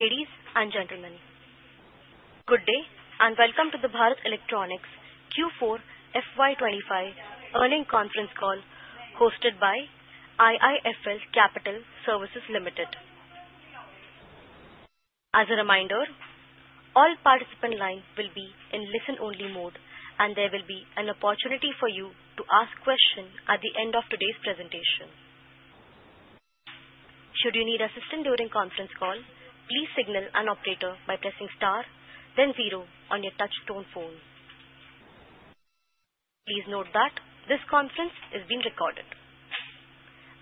Ladies and gentlemen, good day and welcome to the Bharat Electronics Q4FY25 earning conference call hosted by IIFL Capital Services Limited. As a reminder, all participant lines will be in listen only mode. There will be an opportunity for you to ask questions at the end of today's presentation. Should you need assistance during the conference call, please signal an operator by pressing Star then zero on your touchtone phone. Please note that this conference is being recorded.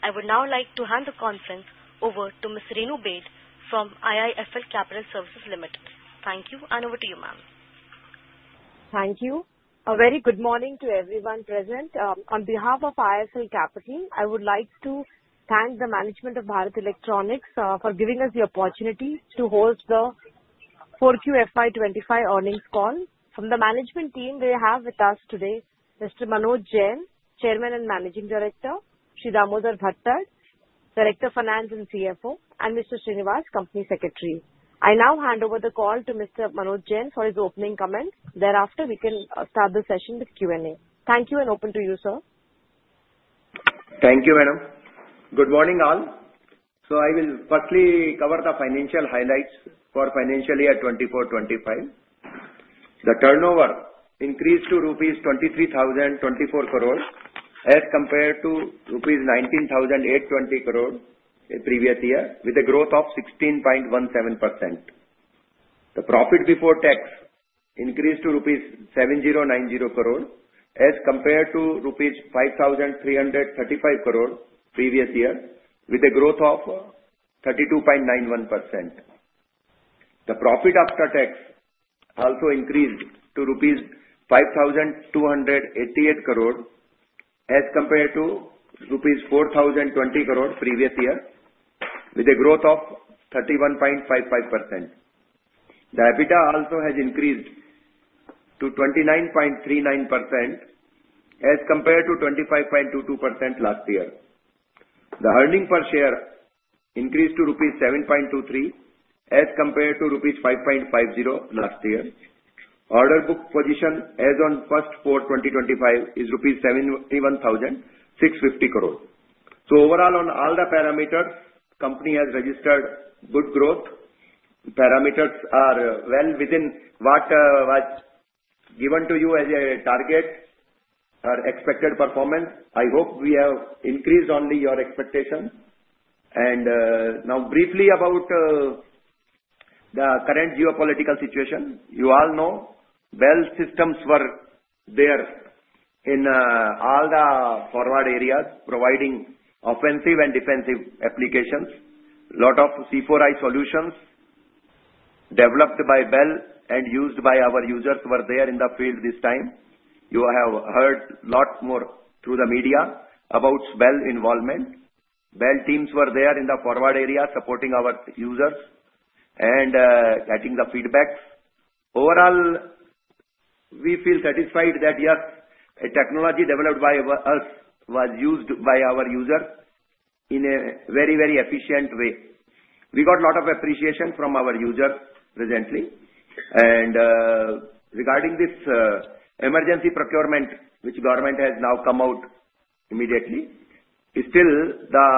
I would now like to hand the conference over to Ms. Renu Baid from IIFL Capital Services Limited. Thank you. Over to you, ma'am. Thank you. A very good morning to everyone present. On behalf of IIFL Capital, I would like to thank the management of Bharat Electronics for giving us the opportunity to host the 4QFY25 earnings call from the management team. We have with us today Mr. Manoj Jain, Chairman and Managing Director, Mr. Damodar Bhattad, Director Finance and CFO, and Mr. Sreenivas, Company Secretary. I now hand over the call to. Mr. Manoj Jain for his opening comments. Thereafter we can start the session with Q&A. Thank you and open to you, sir. Thank you, madam. Good morning all. I will firstly cover the financial highlights for financial year 2024-2025. The turnover increased to rupees 23,024 crore as compared to rupees 19,820 crore a previous year with a growth of 16.17%. The profit before tax increased to rupees 7,090 crore as compared to rupees 5,335 crore previous year with a growth of 32.91%. The profit after tax also increased to rupees 5,288 crore as compared to rupees 4,020 crore previous year with a growth of 31.55%. The EBITDA also has increased to 29.39% as compared to 25.22% last year. The earnings per share increased to rupees 7.23 as compared to rupees 5.50 last year. Order book position as on the first April 2025 is rupees 71,650 crore. Overall, on all the parameters, company has registered good growth. Parameters are well within what was given to you as a target or expected performance. I hope we have increased only your expectations. Now briefly about the current geopolitical situation. You all know Bharat Electronics systems were there in all the forward areas providing offensive and defensive applications. A lot of C4I solutions developed by Bharat Electronics and used by our users were there in the field this time. You have heard a lot more through the media about Bharat Electronics involvement. Bharat Electronics teams were there in the forward area supporting our users and getting the feedback. Overall, we feel satisfied that yes, a technology developed by us was used by our user in a very, very efficient way. We got a lot of appreciation from our users presently and regarding this emergency procurement which government has now come out immediately. Still the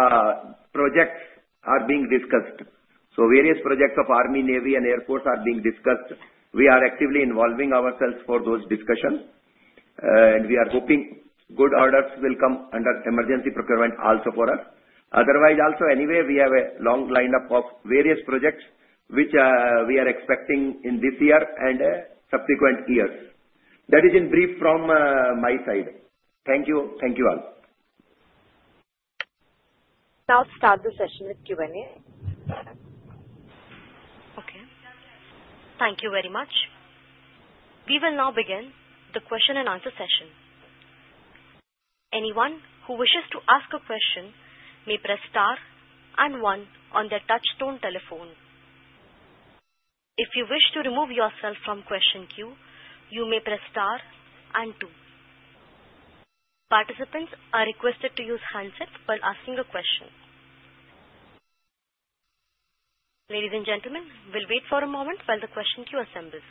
projects are being discussed. Various projects of Army, Navy, and Air Force are being discussed. We are actively involving ourselves for those discussions and we are hoping good orders will come under emergency procurement also for us. Otherwise also, we have a long lineup of various projects which we are expecting in this year and subsequent years. That is in brief from my side. Thank you. Thank you all. Now start the session with QA. Okay, thank you very much. We will now begin the question and answer session. Anyone who wishes to ask a question may press STAR and one on their touch tone telephone. If you wish to remove yourself from question queue, you may press star. Participants are requested to use handsets while asking a question. Ladies and gentlemen, we'll wait for a moment while the question queue assembles.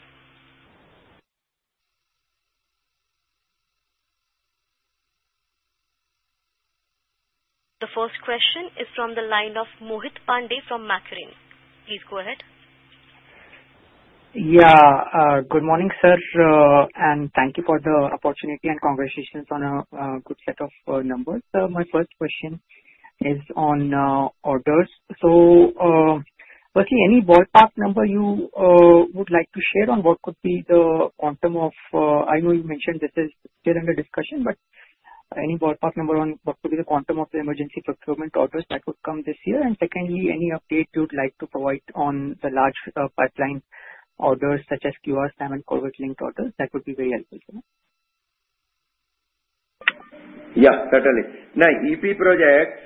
The first question is from the line of Mohit Pandey from Macquarie Group. Please go ahead. Yeah, good morning sir and thank you for the opportunity and conversations on a good set of numbers. My first question is on orders. So basically any ballpark number you would like to share on what could be the quantum of. I know you mentioned this is still under discussion, but any ballpark number on. What could be the quantum of the? Emergency procurement orders that would come this year. Secondly, any update you'd like to provide on the large pipeline orders such as QRSAM and Corvette link orders, that would be very helpful. Yeah, certainly. Now EP projects,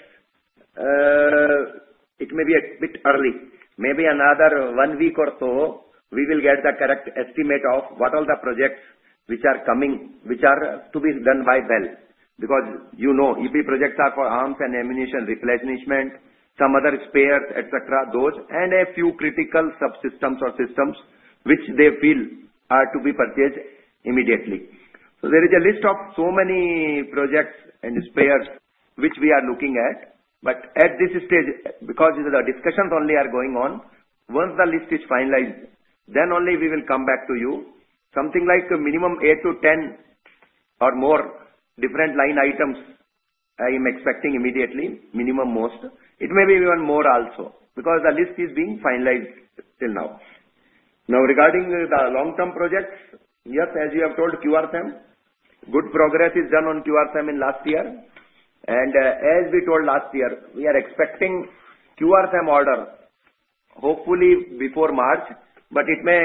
it may be a bit early, maybe another one week or so we will get the correct estimate of what all the projects which are coming which are to be done by BEL because you know EP projects are for arms and ammunition replenishment, some other spares, etc. Those and a few critical subsystems or systems which they feel are to be purchased immediately. So there is a list of so many projects and spares which we are looking at. At this stage, because these discussions only are going on, once the list is finalized, then only we will come back to you. Something like minimum 8-10 or more different line items. I am expecting immediately minimum most. It may be even more also because the list is being finalized till now. Now regarding the long term projects. Yes, as you have told QRSAM, good progress is done on QRSAM in last year. As we told last year, we are expecting QRSAM order hopefully before March. It may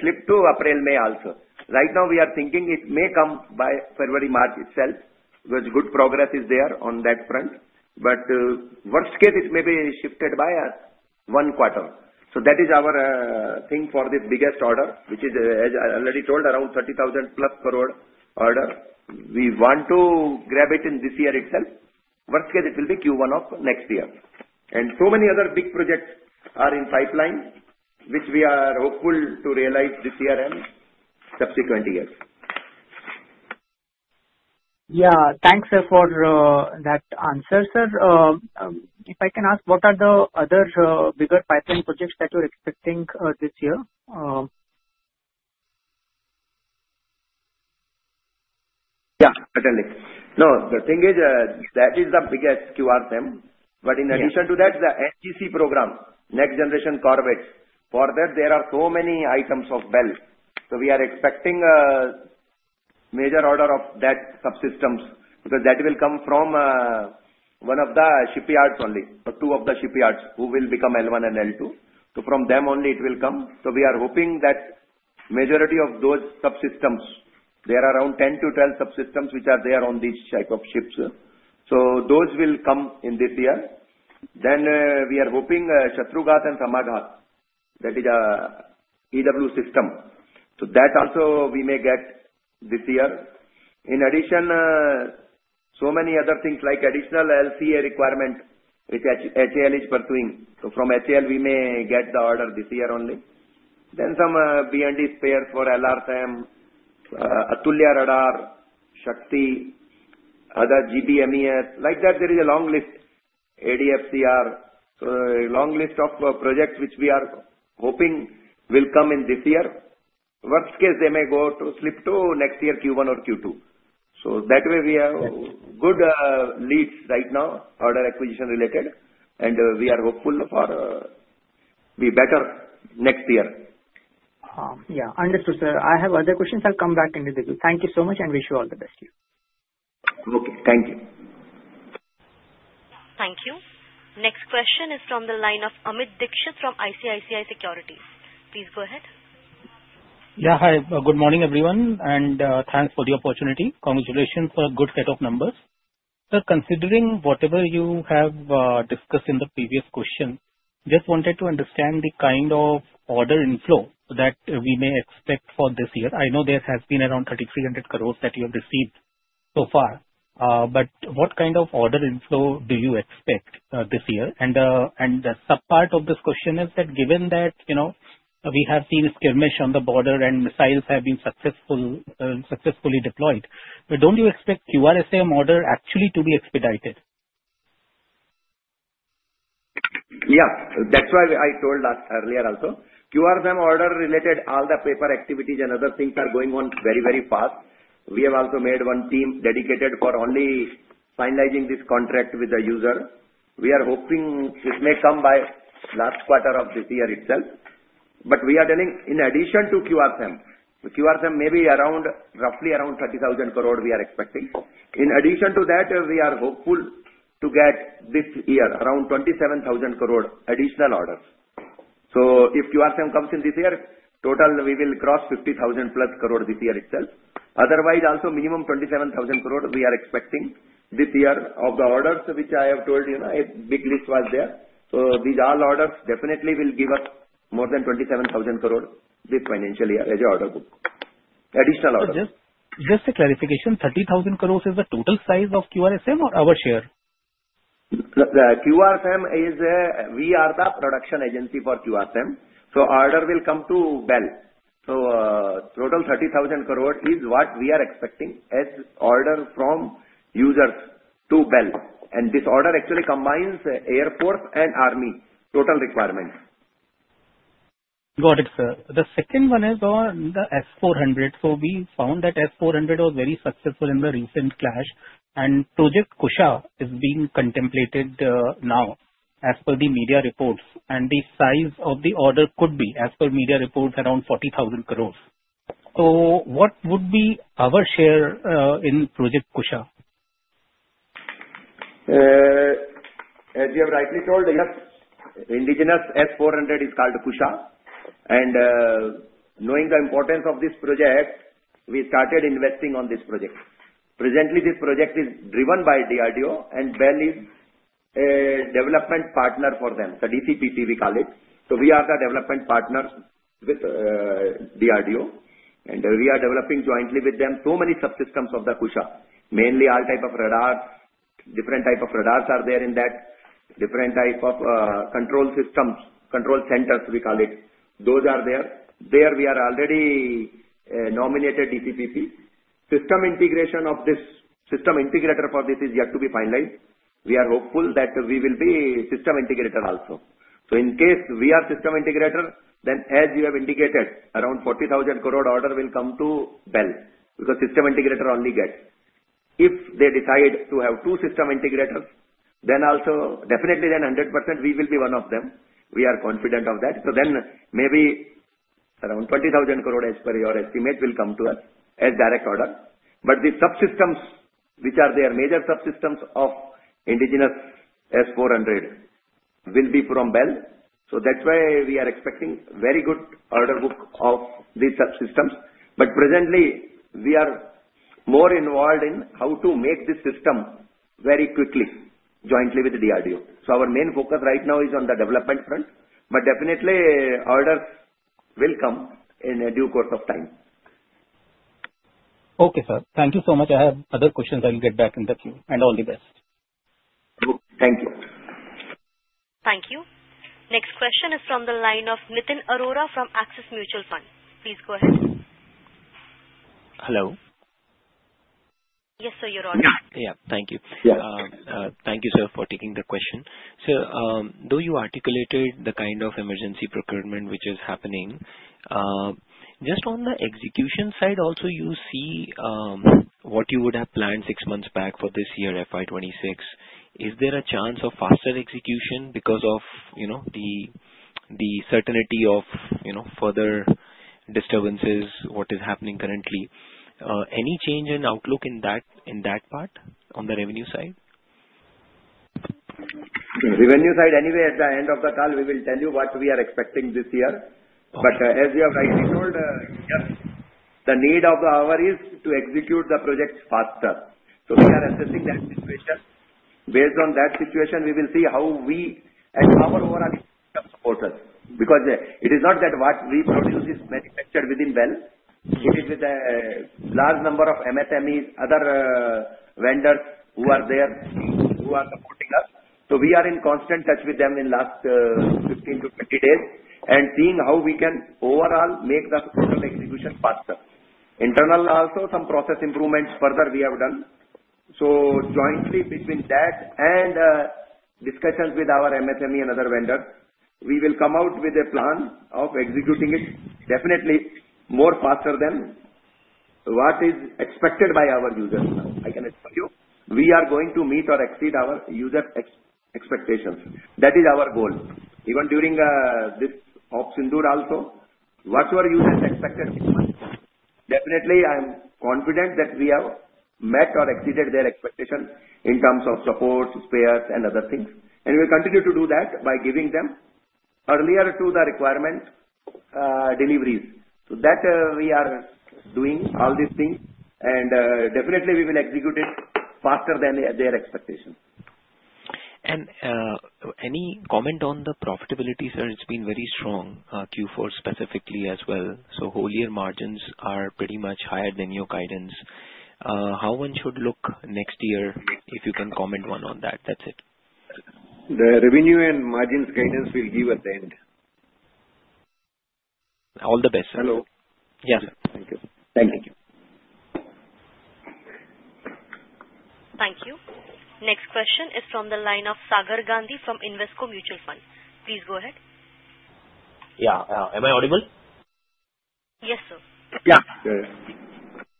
slip to April-May also. Right now, we are thinking it may come by February-March itself because good progress is there on that front. Worst case, it may be shifted by Q1. That is our thing for the biggest order, which is, as I already told, around 30,000 crore plus order. We want to grab it in this year itself. Worst case, it will be Q1 of next year. So many other big projects are in pipeline, which we are hopeful to realize this year and subsequent years. Yeah, thanks for that answer. Sir, if I can ask what are the other bigger pipeline projects that you're expecting this year? Yeah, certainly. No, the thing is that is the biggest QRSAM. But in addition to that the NGC program, next generation Corvettes, for that there are so many items of BEL. We are expecting a major order of that subsystems because that will come from one of the shipyards only or two of the shipyards who will become L1 and L2. From them only it will come. We are hoping that majority of those subsystems, there are around 10-12 subsystems which are there on these type of ships, so those will come in this year. We are hoping Shatrughat and Samaghat,, that is a EW system, so that also we may get this year. In addition, so many other things like additional LCA requirement which HAL is pursuing. From HAL we may get the order this year only. Some BND spares for LRT, Atulya, radar, Shakti, other GBMES like that. There is a long list, ADFCR. A long list of projects which we are hoping will come in this year. Worst case, they may slip to next year Q1 or Q2. That way we have good leads right now, order acquisition related, and we are hopeful for better next year. Yeah, understood. Sir, I have other questions. I'll come back into the group. Thank you so much and wish you all the best. Okay, thank you. Thank you. Next question is from the line of Amit Dixit from ICICI Securities. Please go ahead. Yeah hi. Good morning everyone and thanks for the opportunity. Congratulations for a good set of numbers. Sir, considering whatever you have discussed in the previous question. Just wanted to understand the kind of order inflow that we may expect for this year. I know there has been around 3,300 crore that you have received so far. What kind of order inflow do you expect this year? The subpart of this question is that given that you know we have seen skirmish on the border and missiles have been successfully deployed, don't you expect QRSAM order actually to be expedited? Yeah, that's why I told earlier also QRSAM order related all the paper activities and other things are going on very, very fast. We have also made one team dedicated for only finalizing this contract with the user. We are hoping this may come by last quarter of this year itself. We are telling in addition to QRSAM, QRSAM may be around 30,000 crore, we are expecting in addition to that we are hopeful to get this year around 27,000 crore additional orders. If QRSAM comes in this year, total we will cross 50,000 crore plus this year itself. Otherwise also minimum 27,000 crore we are expecting this year. Of the orders which I have told you, a big list was there. These all orders definitely will give us more than 27,000 crore this financial year as an order book additional order. Just a clarification, 30,000 crore is the total size of QRSAM or our share? The QRSAM is we are the production agency for QRSAM, so order will come to BEL. So total 30,000 crore is what we are expecting as order from users to BEL. And this order actually combines Air Force and Army total requirements. Got it sir. The second one is on the S-400. We found that S-400 was very successful in the recent clash. Project Kusha is being contemplated now as per the media reports. The size of the order could be, as per media reports, around 40,000 crore. What would be our share in Project Kusha? As we have rightly told, indigenous S-400 is called Kusha and knowing the importance of this project we started investing on this project. Presently this project is driven by DRDO and BEL is a development partner for them. The DCPP we call it. We are the development partners with DRDO and we are developing jointly with them so many subsystems of the Kusha. Mainly all type of radar, different type of radars are there in that, different type of control systems. Control centers we call it. We are already nominated DCPP. System integration of this system integrator for this is yet to be finalized. We are hopeful that we will be system integrator also. In case we are system integrator then as you have indicated around 40,000 crore order will come to BEL. Because system integrator only gets if they decide to have two system integrators then also definitely then 100% we will be one of them. We are confident of that. Maybe around 20,000 crore as per your estimate will come to us as direct order. The subsystems, which are their major subsystems of indigenous S-400, will be from Bharat Electronics. That is why we are expecting very good order book of these subsystems. Presently we are more involved in how to make this system very quickly jointly with DRDO. Our main focus right now is on the development front. Definitely orders will come in a due course of time. Okay sir, thank you so much. I have other questions. I'll get back in the queue and all the best. Thank you. Thank you. Next question is from the line of Nitin Arora from Axis Mutual Fund. Please go ahead. Hello. Yes sir. You're on. Yeah, thank you. Thank you sir for taking the question. Sir, though you articulated the kind of emergency procurement which is happening, just on the execution side, also you see what you would have planned six months back for this year, FY 2026, is there a chance of faster execution because of the certainty of further disturbances? What is happening currently? Any change in outlook in that part on the revenue side? Revenue side. Anyway, at the end of the call we will tell you what we are expecting this year. As you have rightly told, the need of the hour is to execute the projects faster. We are assessing that situation. Based on that situation we will see how we as our overall supporters because it is not that what we produce is manufactured within. It is with a large number of MSMEs, other vendors who are there who are supporting us. We are in constant touch with them in the last 15-20 days and seeing how we can overall make the execution faster. Internally also some process improvements. Further, we have done so jointly. Between that and discussions with our MSME and other vendors, we will come out with a plan of executing it definitely more faster than what is expected by our users. I can assure you we are going to meet or exceed our user experience expectations. That is our goal even during this ops indoor also, whatever you expected, definitely I am confident that we have met or exceeded their expectations in terms of support, spares, and other things, and we will continue to do that by giving them earlier to the requirement deliveries so that we are doing all these things, and definitely we will execute it faster than their expectation. Any comment on the profitability? Sir, it's been very strong Q4 specifically as well. The whole year margins are pretty much higher than your guidance. How should one look at next year? If you can comment on that, that's it. The revenue and margins guidance will give at the end. All the best. Hello. Yes, thank you. Thank you. Next question is from the line of Sagar Gandhi from Invesco Mutual Fund. Please go ahead. Yeah, am I audible? Yes sir. Yeah,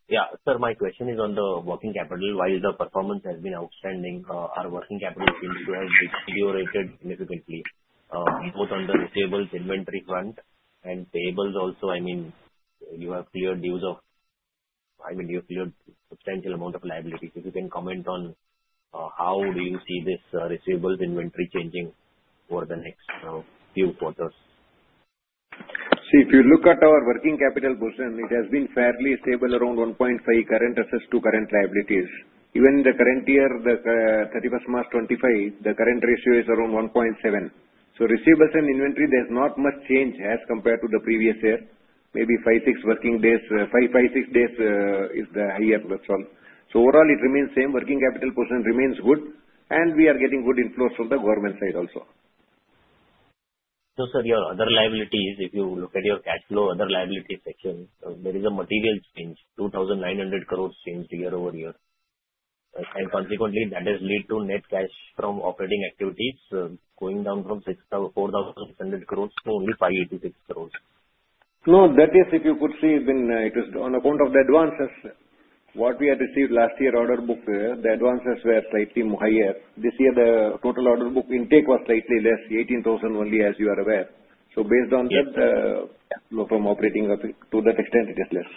yeah. Sir, my question is on the working capital. While the performance has been outstanding, our working capital seems to have deteriorated significantly both on the receivables, inventory front, and payables also. I mean, you have cleared use of—I mean, you cleared substantial amount of liabilities. If you can comment on how do you see this receivables, inventory changing over the next few quarters? See, if you look at our working capital portion it has been fairly stable around 1.5 current assessed to current liabilities. Even the current year 31-3-2025 the current ratio is around 1.7. So receivables and inventory there's not much change as compared to the previous year. Maybe five, six working days. Five, six days is the higher, that's all. Overall it remains same working capital. Portion remains good and we are getting good inflows from the government side also. Sir, your other liabilities, if you look at your cash flow, other liability section, there is a material change, 2,900 crore changed year over year, and consequently that has led to net cash from operating activities going down from 6,000 crore, 4,600 crore, only 586 crore. No, that is if you could see, it was on account of the advances what we had received last year. Order book, the advances were slightly higher. This year, the total order book intake was slightly less, 18,000 only, as you are aware. Based on that, from operating to that extent it is less.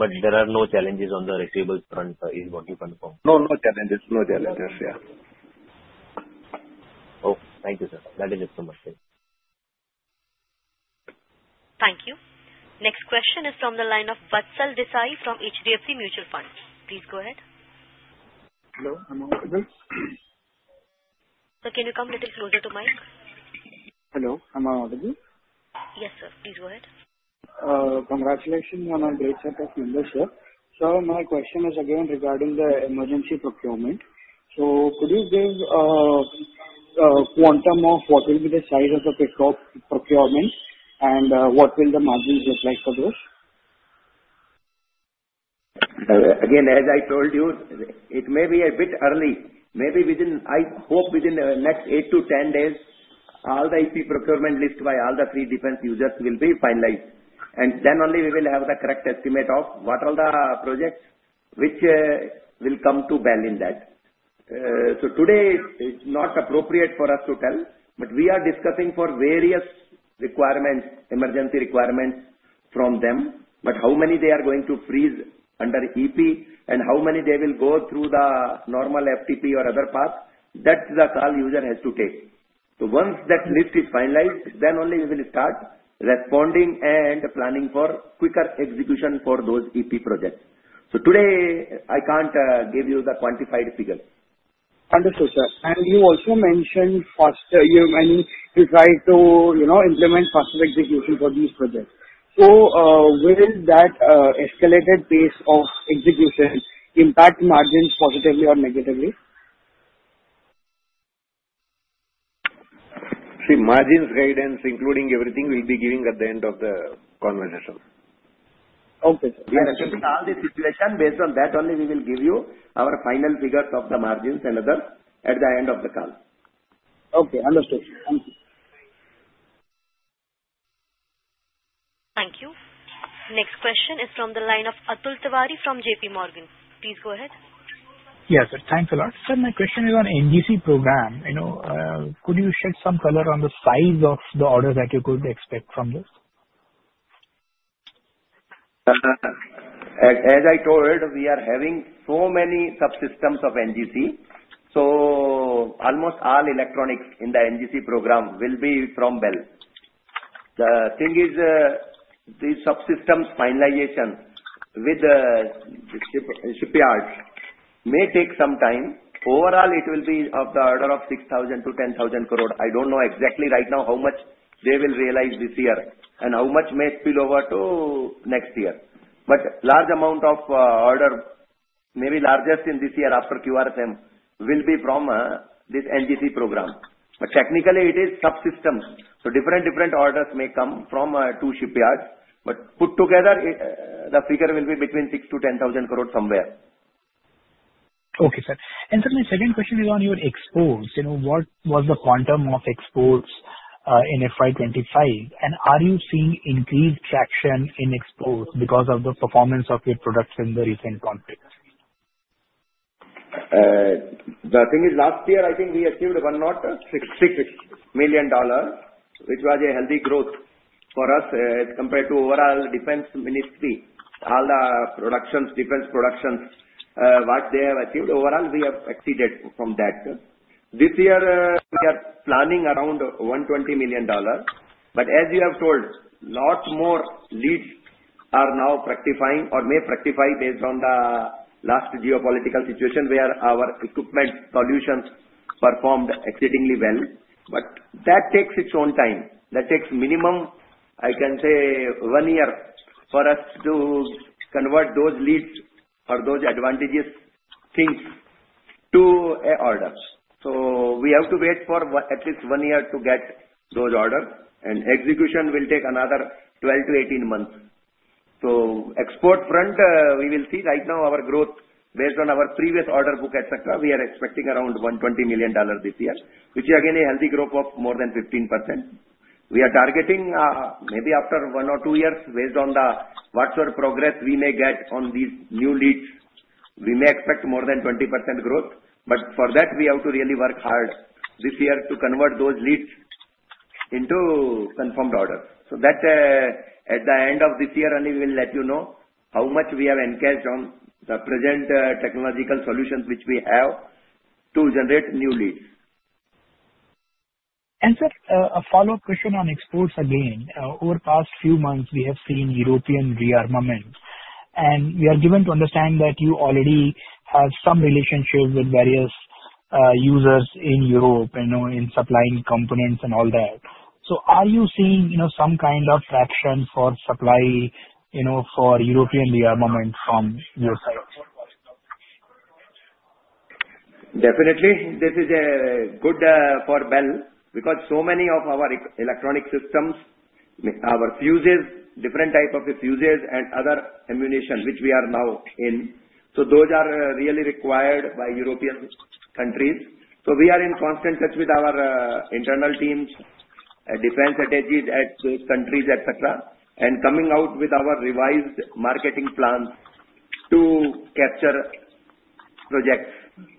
But there are no challenges on the receivable front is what you confirmed? No, no challenges. No challenges. Yeah. Oh, thank you, sir. That is it from my side. Thank you. Next question is from the line of Vatsal Desai from HDFC Mutual Fund. Please go ahead. Hello, I'm audible. Can you come a little closer to the mic? Hello, am I audible? Yes sir, please go ahead. Congratulations on a great set of numbers. My question is again regarding the emergency procurement. Could you give quantum of what? Will be the size of the [PICCOP] procurement and what will the margins look like for those? Again, as I told you, it may be a bit early. Maybe within, I hope within the next 8-10 days, all the IP procurement list by all the free defense users will be finalized, and then only we will have the correct estimate of what are the projects which will come to BEL in that. Today it's not appropriate for us to tell, but we are discussing for various requirements, emergency requirements from them, but how many they are going to freeze under EP and how many they will go through the normal FTP or other path that the call user has to take. Once that list is finalized, then only we will start responding and planning for quicker execution for those EP projects. Today I can't give you the quantified figure. Understood, sir. You also mentioned faster. I mean you try to, you know, implement faster execution for these projects. Will that escalated pace of execution. Impact margins positively or negatively? See, margins guidance including everything will be giving at the end of the conversation. Okay. All the situation based on that only. We will give you our final figures of the margins and others at the end of the call. Okay, understood. Thank you. Thank you. Next question is from the line of Atul Tiwari from JP Morgan. Please go ahead. Yes, thanks a lot. Sir, my question is on NGC program. You know, could you shed some color on the size of the order that you could expect from this? As I told we are having so many subsystems of NGC. So almost all electronics in the NGC program will be from BEL. The thing is, the subsystems finalization with the shipyards may take some time. Overall it will be of the order of 6,000-10,000 crore. I don't know exactly right now how much they will realize this year and how much may spill over to next year. A large amount of order, maybe largest in this year after QRSAM, will be from this NGC program. Technically it is subsystems for so different. Different orders may come from two shipyards, but put together the figure will be between 6,000-10,000 crore somewhere. Okay, sir. Sir, my second question is on your exports. You know, what was the quantum of exports in FY 2025 and are you seeing increased traction in exports because of the performance of your products in the recent conflicts? The thing is, last year I think we achieved $100 million, which was a healthy growth for us compared to overall Defense Ministry. All the productions, defense productions, what they have achieved overall, we have exceeded from that. This year we are planning around $120 million. As you have told, a lot more leads are now fructifying or may fructify based on the last geopolitical situation where our equipment solutions performed exceedingly well. That takes its own time. That takes minimum, I can say, one year for us to convert those leads or those advantageous things to an order. We have to wait for at least one year to get those orders, and execution will take another 12-18 months. On the export front, we will see right now our growth based on our previous order book, etc. We are expecting around $120 million this year, which is again a healthy growth of more than 15%. We are targeting maybe after one or two years, based on the virtual progress we may get on these new leads, we may expect more than 20% growth. For that we have to really work hard this year to convert those leads into confirmed orders so that at the end of this year only we will let you know how much we have encased on the present technological solutions which we have to generate new leads. Sir, a follow up question on exports again. Over the past few months we have seen European rearmament and we are given to understand that you already have some relationship with various users in Europe in supplying components and all that. Are you seeing some kind of traction for supply, you know, for European rearmament from your side? Definitely this is good for Bharat Electronics because so many of our electronic systems, our fuses, different types of the fuses and other ammunition which we are now in. Those are really required by European countries. We are in constant touch with our internal teams, defense strategies at countries, etc., and coming out with our revised marketing plans to capture projects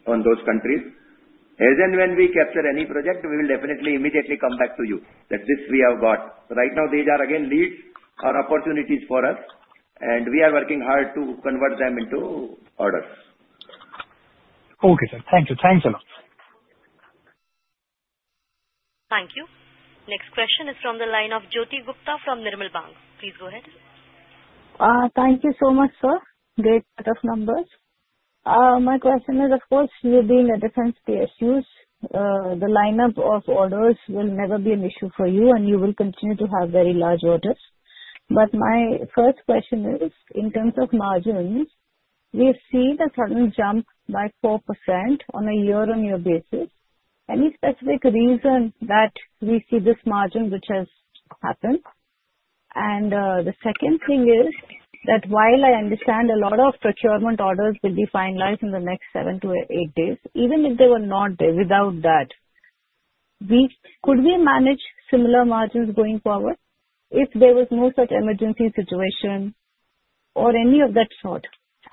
in those countries. As and when we capture any project, we will definitely immediately come back to you that this we have got right now. These are again leads or opportunities for us and we are working hard to convert them into orders. Okay sir, thank you. Thanks a lot. Thank you. Next question is from the line of Jyoti Gupta from Nirmal Bang. Please go ahead. Thank you so much, sir. Great. Tough numbers. My question is, of course you're being a defense PSU. The lineup of orders will never be an issue for you and you will continue to have very large orders. My first question is in terms of margins, we have seen a sudden jump by 4% on a year-on-year basis. Any specific reason that we see this margin which has happened? The second thing is that while I understand a lot of procurement orders will be finalized in the next seven to eight days even if they were not there. Without that, could we manage similar margins going forward if there was no such emergency situation or any of that sort?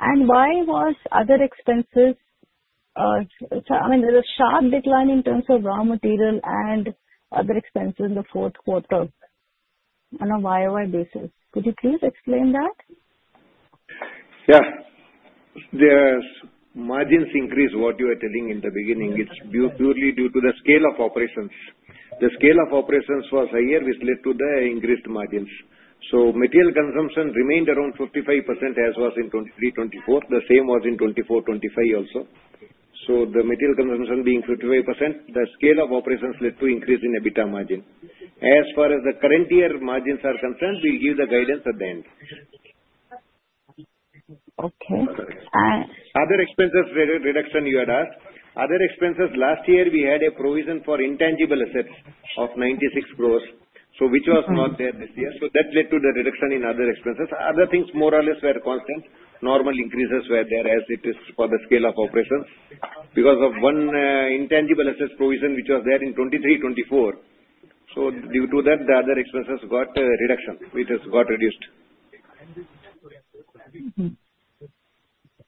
Why was other expenses? I mean there was a sharp decline in terms of raw material and other expenses in the fourth quarter on a year-over-year basis. Could you please explain that? Yeah, the margins increase. What you are telling in the beginning, it's purely due to the scale of operations. The scale of operations was higher, which led to the increased margins. Material consumption remained around 55% as was in 2023-2024. The same was in 2024-2025 also. Material consumption being 55%, the scale of operations led to increase in EBITDA margin. As far as the current year margins are concerned, we'll give the guidance at the end. Okay. Other expenses reduction. You had asked other expenses. Last year we had a provision for intangible assets of 96 crore. Which was not there this year. That led to the reduction in other expenses. Other things more or less were constant. Normal increases were there as it is for the scale of operations because of one intangible assets provision which was there in 2023-2024. Due to that, the other expenses got reduction. It has got reduced.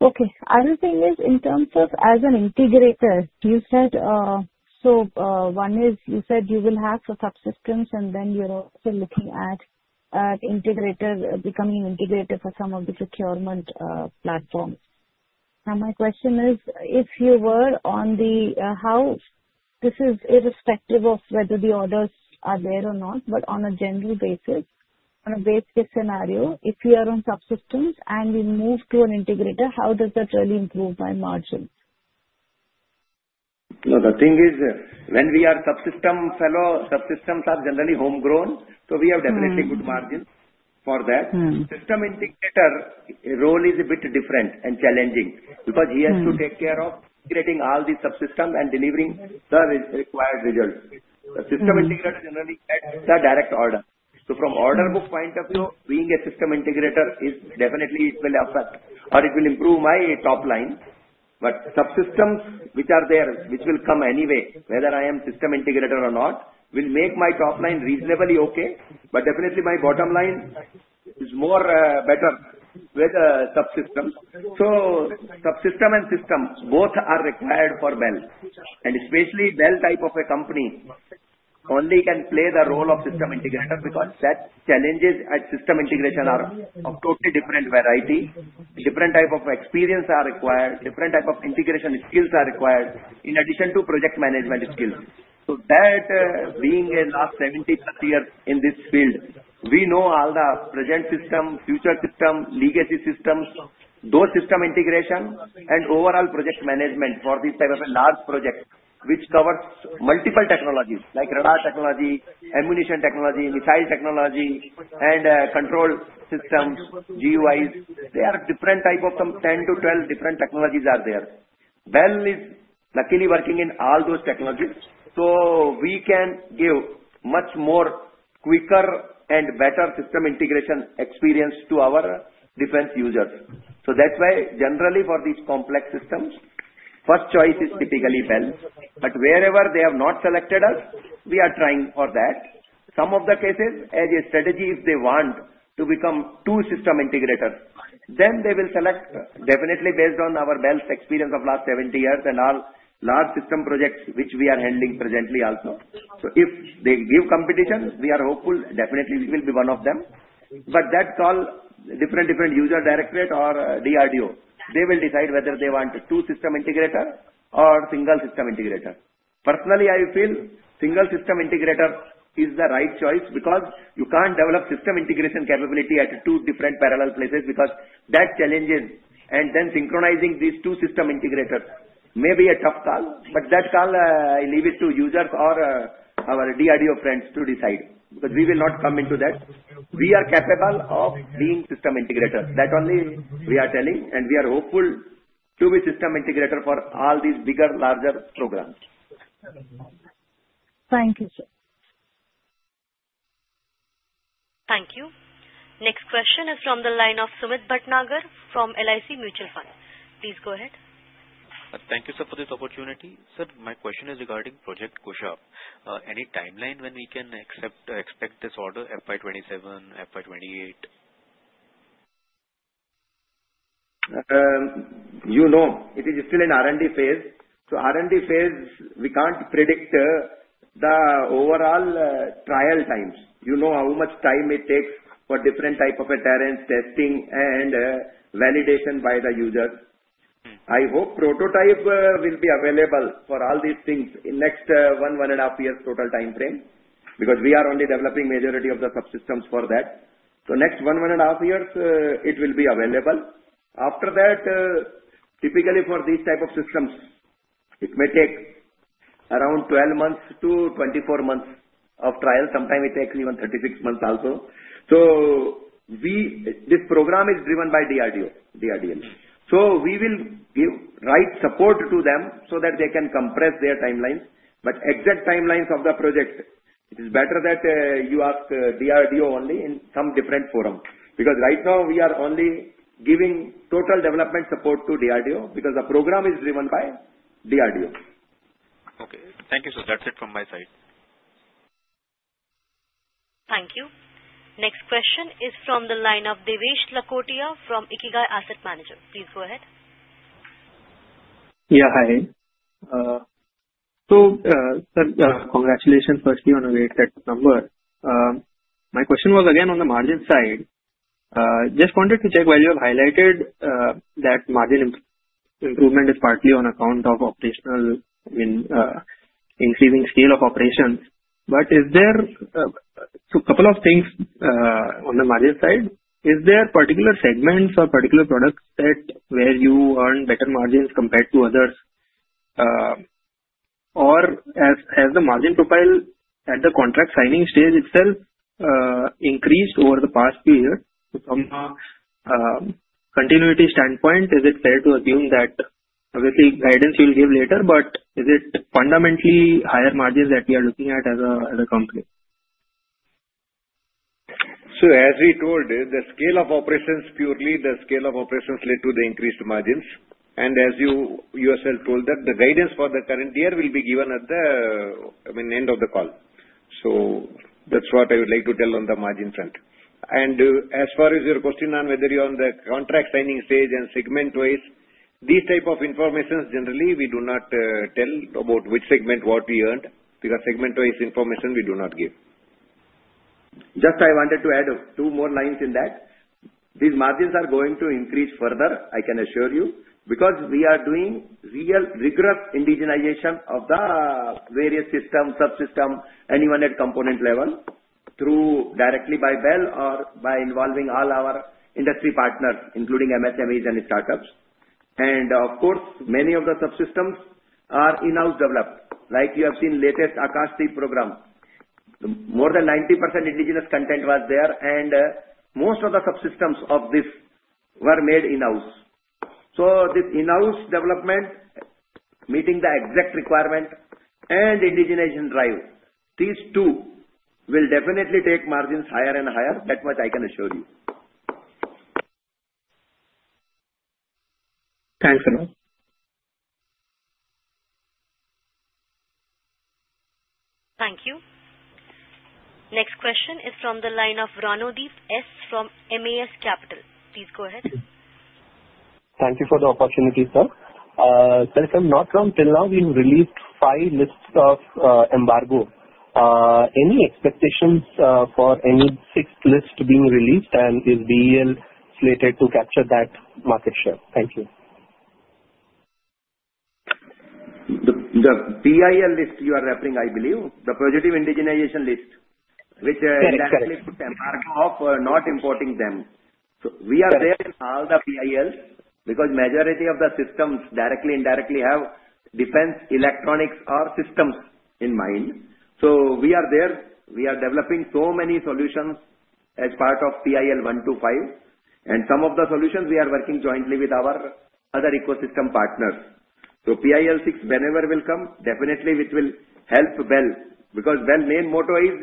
Okay. Other thing is in terms of as an integrator, you said so one is you said you will have for subsystems and then you're also looking at integrated becoming an integrator for some of the procurement platforms. Now my question is if you were on the how. This is irrespective of whether the orders are there or not, but on a general basis on a base case scenario, if we are on subsystems and we move to an integrator, how does that. Really improve my margin? Now the thing is, when we are subsystem fellow, subsystems are generally homegrown. So we have definitely good margins for that. System integrator role is a bit different and challenging because he has to take care of integrating all these subsystems and delivering the required results. The system integrator is generally the direct order. From order book point of view, being a system integrator is definitely, it will affect or it will improve my top line. Subsystems which are there, which will come anyway whether I am system integrator or not, will make my top line reasonably okay. Definitely my bottom line is more better with subsystems. Subsystem and system both are required for BEL, and especially BEL type of a company only can play the role of system integrator. Challenges at system integration are of totally different variety. Different type of experience are required. Different type of integration skills are required in addition to project management skills. That being a last 70+ years in this field, we know all the present system, future system, legacy systems, those system integration and overall project management. For this type of a large project which covers multiple technologies like radar technology, ammunition technology, missile technology and control systems. GUIs, there are different type of some 10-12 different technologies are there. BEL is luckily working in all those technologies. We can give much more, quicker and better system integration experience to our defense users. That's why generally for these complex systems, first choice is typically BEL. Wherever they have not selected us, we are trying for that. Some of the cases as a strategy. If they want to become two system integrators then they will select definitely based on our BEL's experience of last 70 years and all large system projects which we are handling presently also. If they give competition, we are hopeful definitely we will be one of them. That call is different, different user directed or DRDO. They will decide whether they want two system integrator or single system integrator. Personally I feel single system integrator is the right choice because you can't develop system integration capability at two different parallel places because that challenges. Synchronizing these two system integrators may be a tough call. That call I leave it to users or our DRDO friends to decide. We will not come into that. We are capable of being system integrators, that only we are telling, and we are hopeful to be system integrators for all these bigger, larger programs. Thank you sir. Thank you. Next question is from the line of Sumit Bhatnagar from LIC Mutual Fund. Please go ahead. Thank you sir for this opportunity. Sir, my question is regarding project Kusha. Any timeline when we can expect this order FY27, FY28. You know it is still in R&D phase. So R&D phase we can't predict the overall trial times. You know how much time it takes for different type of testing and validation by the users. I hope prototype will be available for all these things in next one, one and a half years total time frame. Because we are only developing majority of the subsystems for that. So next one, one and a half years it will be available after that. Typically for these type of systems it may take around 12-24 months of trial. Sometime it takes even 36 months also. This program is driven by DRDO, DRDL. We will give right support to them so that they can compress their timelines. Exact timelines of the project, it is better that you ask DRDO only in some different forum. Because right now we are only giving total development support to DRDO because the program is driven by DRDO. Okay, thank you. So that's it from my side. Thank you. Next question is from the line of Devesh Lakhotia from Ikigai Asset Manager. Please go ahead. Yeah, hi. Congratulations firstly on a great set number. My question was again on the margin side. Just wanted to check while you have highlighted that margin improvement is partly on account of operational. Increasing scale of operations. Is there so a couple of things on the Maria side. Is there particular segments or particular products that where you earn better margins compared to others? Or has the margin profile at the contract signing stage itself increased over the past period? From a continuity standpoint, is it fair to assume that obviously guidance you will give later, but is it fundamentally higher? Margins that we are looking at as a company? As we told, the scale of operations, purely the scale of operations, led to the increased margins, and as you yourself told, the guidance for the current year will be given at the, I mean, end of the call. That is what I would like to tell on the margin front. As far as your question on whether you are on the contract signing stage and segment wise, these types of information, generally we do not tell about which segment what we earned because segment wise information we do not give, just. I wanted to add two more lines in that these margins are going to increase further. I can assure you because we are doing real rigorous indigenization of the various system, subsystem, and even at component level, directly by BEL or by involving all our industry partners including MSMEs and startups. Of course, many of the subsystems are in-house developed. Like you have seen latest Akash program, more than 90% indigenous content was there and most of the subsystems of this were made in-house. This in-house development meeting the exact requirement and indigenization drive, these two will definitely take margins higher and higher. That much I can assure you. Thanks, sir.. Thank you. Next question is from the line of Ranodeep S. from MAS Capital. Please go ahead. Thank you for the opportunity, sir. Not from till now, we have released five lists of embargo. Any expectations for any sixth list being released, and is BEL slated to capture that market share? Thank you. The PIL list you are referring I believe the Positive Indigenisation List which of not importing them. We are there in all the PILs because majority of the systems directly indirectly have defense electronics or systems in mind. We are there. We are developing so many solutions as part of TIL125 and some of the solutions we are working jointly with our other ecosystem partners. PIL6 whenever will come definitely which will help BEL because BEL main motto is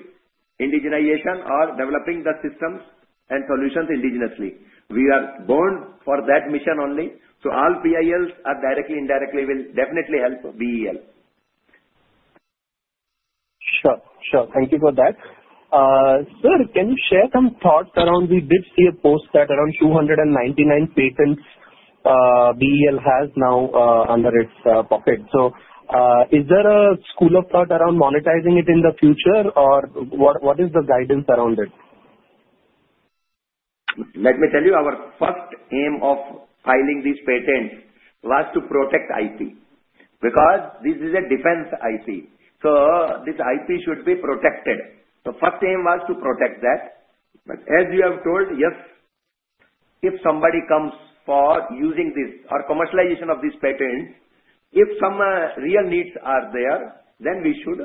indigenization or developing the systems and solutions indigenously. We are born for that mission only. All PILs are directly indirectly will definitely help BEL. Sure, sure. Thank you for that. Sir, can you share some thoughts around we did see a post that around 299 patents BEL has now under its pocket. Is there a school of thought around monetizing it in the future or what is the guidance around it? Let me tell you our first aim of filing these patents was to protect IP because this is a defense IP so this IP should be protected. The first aim was to protect that. As you have told yes, if somebody comes for using this or commercialization of this patent, if some real needs are there then we should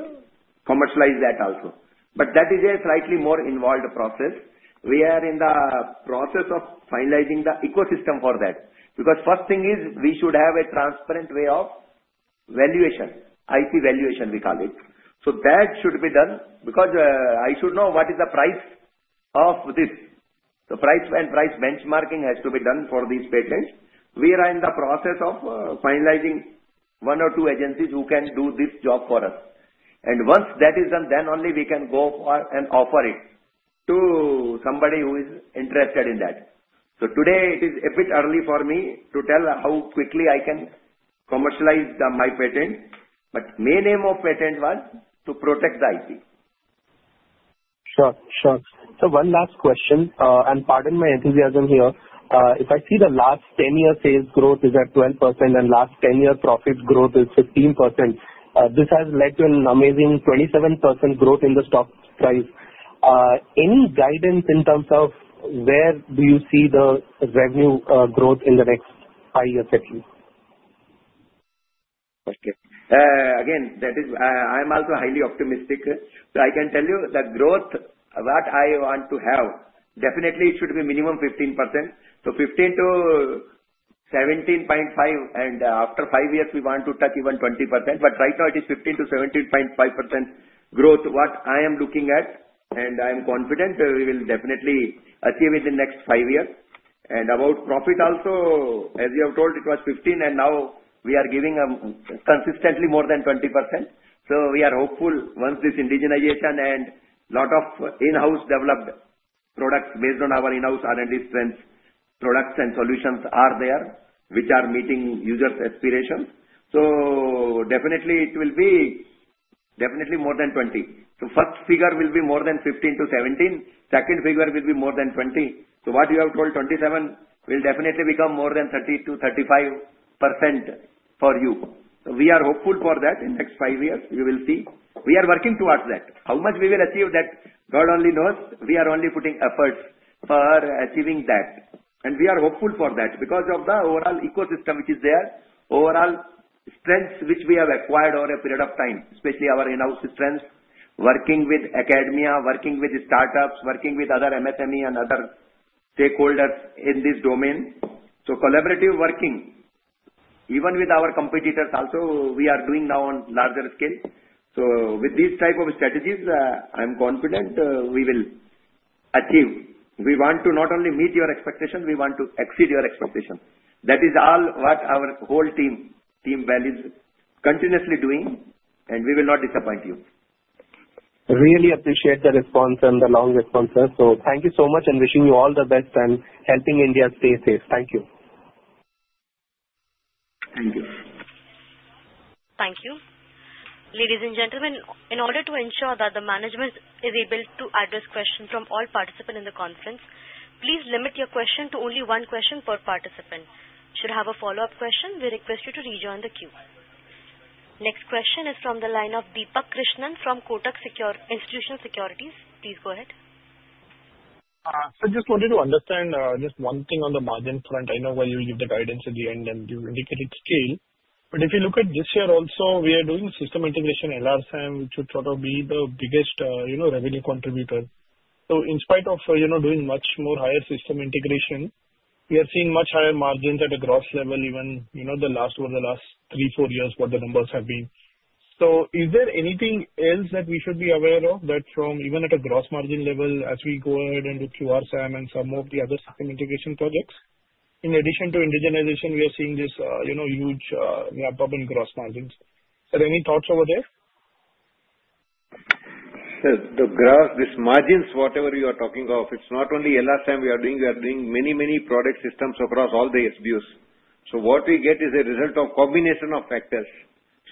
commercialize that also. That is a slightly more involved process. We are in the process of finalizing the ecosystem for that because first thing is we should have a transparent way of valuation, IP valuation we call it. That should be done because I should know what is the price of this. The price and price benchmarking has to be done for these patents. We are in the process of finalizing one or two agencies who can do this job for us, and once that is done, then only we can go and offer it to somebody who is interested in that. Today it is a bit early for me to tell how quickly I can commercialize my patent, but main aim of patent was to protect it. Sure, sure. One last question and pardon my enthusiasm here. If I see the last 10 years. Sales growth is at 12% and last. 10-year profit growth is 15%. This has led to an amazing 27% growth in the stock price. Any guidance in terms of where do you see the revenue growth in the next five years at least? Again that is I am also highly optimistic so I can tell you the growth what I want to have definitely it should be minimum 15% so 15%-17.5% and after five years we want to touch even 20% but right now it is 15%-17.5% growth what I am looking at and I am confident we will definitely achieve it in next five years. About profit also as you have told it was 15% and now we are giving consistently more than 20%. We are hopeful once this indigenization and lot of in-house developed products based on our in-house R&D strengths, products and solutions are there which are meeting users' aspirations. Definitely it will be definitely more than 20%. First figure will be more than 15-17% second figure will be more than 20%. What you have told, 27 will definitely become more than 30%-35% for you. We are hopeful for that. In the next five years, you will see we are working towards that. How much we will achieve that, God only knows. We are only putting efforts for achieving that and we are hopeful for that because of the overall ecosystem which is there. Overall strengths which we have acquired over a period of time, especially our in-house strengths, working with academia, working with startups, working with other MFME and other stakeholders in this domain. Collaborative working, even with our competitors also, we are doing now on a larger scale. With these types of strategies, I am confident we will achieve. We want to not only meet your expectation, we want to exceed your expectation. That is all what our whole team values continuously doing and we will not disappoint. You really appreciate the response and the long responses. Thank you so much and wishing you all the best and helping India stay safe. Thank you. Thank you. Thank you. Ladies and gentlemen, in order to ensure that the management is able to address questions from all participants in the conference, please limit your question to only one question per participant. Should you have a follow-up question, we request you to rejoin the queue. Next question is from the line of Deepak Krishnan from Kotak Institutional Securities. Please go ahead. I just wanted to understand just one thing on the margin front. I know while you give the guidance at the end and you indicated scale, but if you look at this year also we are doing system integration LRSAM which would sort of be the biggest revenue contributor. In spite of doing much more higher system integration, we are seeing much higher margins at a gross level. Even over the last three, four years, what the numbers have been. Is there anything else that we should be aware of that from even at a gross margin level, as we go ahead and do QRSAM and some of the other system integration projects in addition to indigenization, we are seeing this huge ramp up in gross margins. Are there any thoughts over there. The Graph this margins, whatever you are talking of, it's not only LRSAM we are doing, we are doing many, many product systems across all the SBOs. What we get is a result of combination of factors.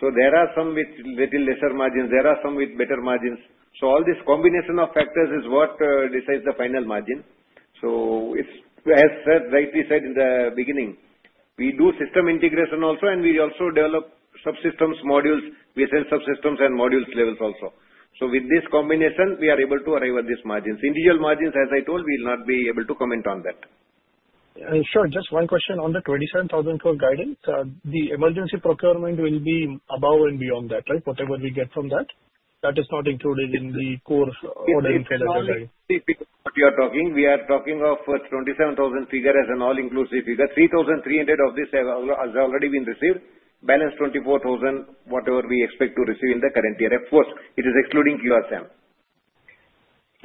There are some with little lesser margins, there are some with better margins. All this combination of factors is what decides the final margin. As sir rightly said in the beginning, we do system integration also and we also develop subsystems, modules, we send subsystems and modules levels also. With this combination we are able to arrive at these margins, individual margins. As I told, we will not be able to comment on that. Sure. Just one question on the 27,000 crore guidance the emergency procurement will be above. Beyond that, right? Whatever we get from that, that is not included in the core. What we are you talking? We are talking of 27,000 figure as an all-inclusive figure. 3,300 of this has already been received, balance 24,000. Whatever we expect to receive in the current year of course it is excluding QRSAM.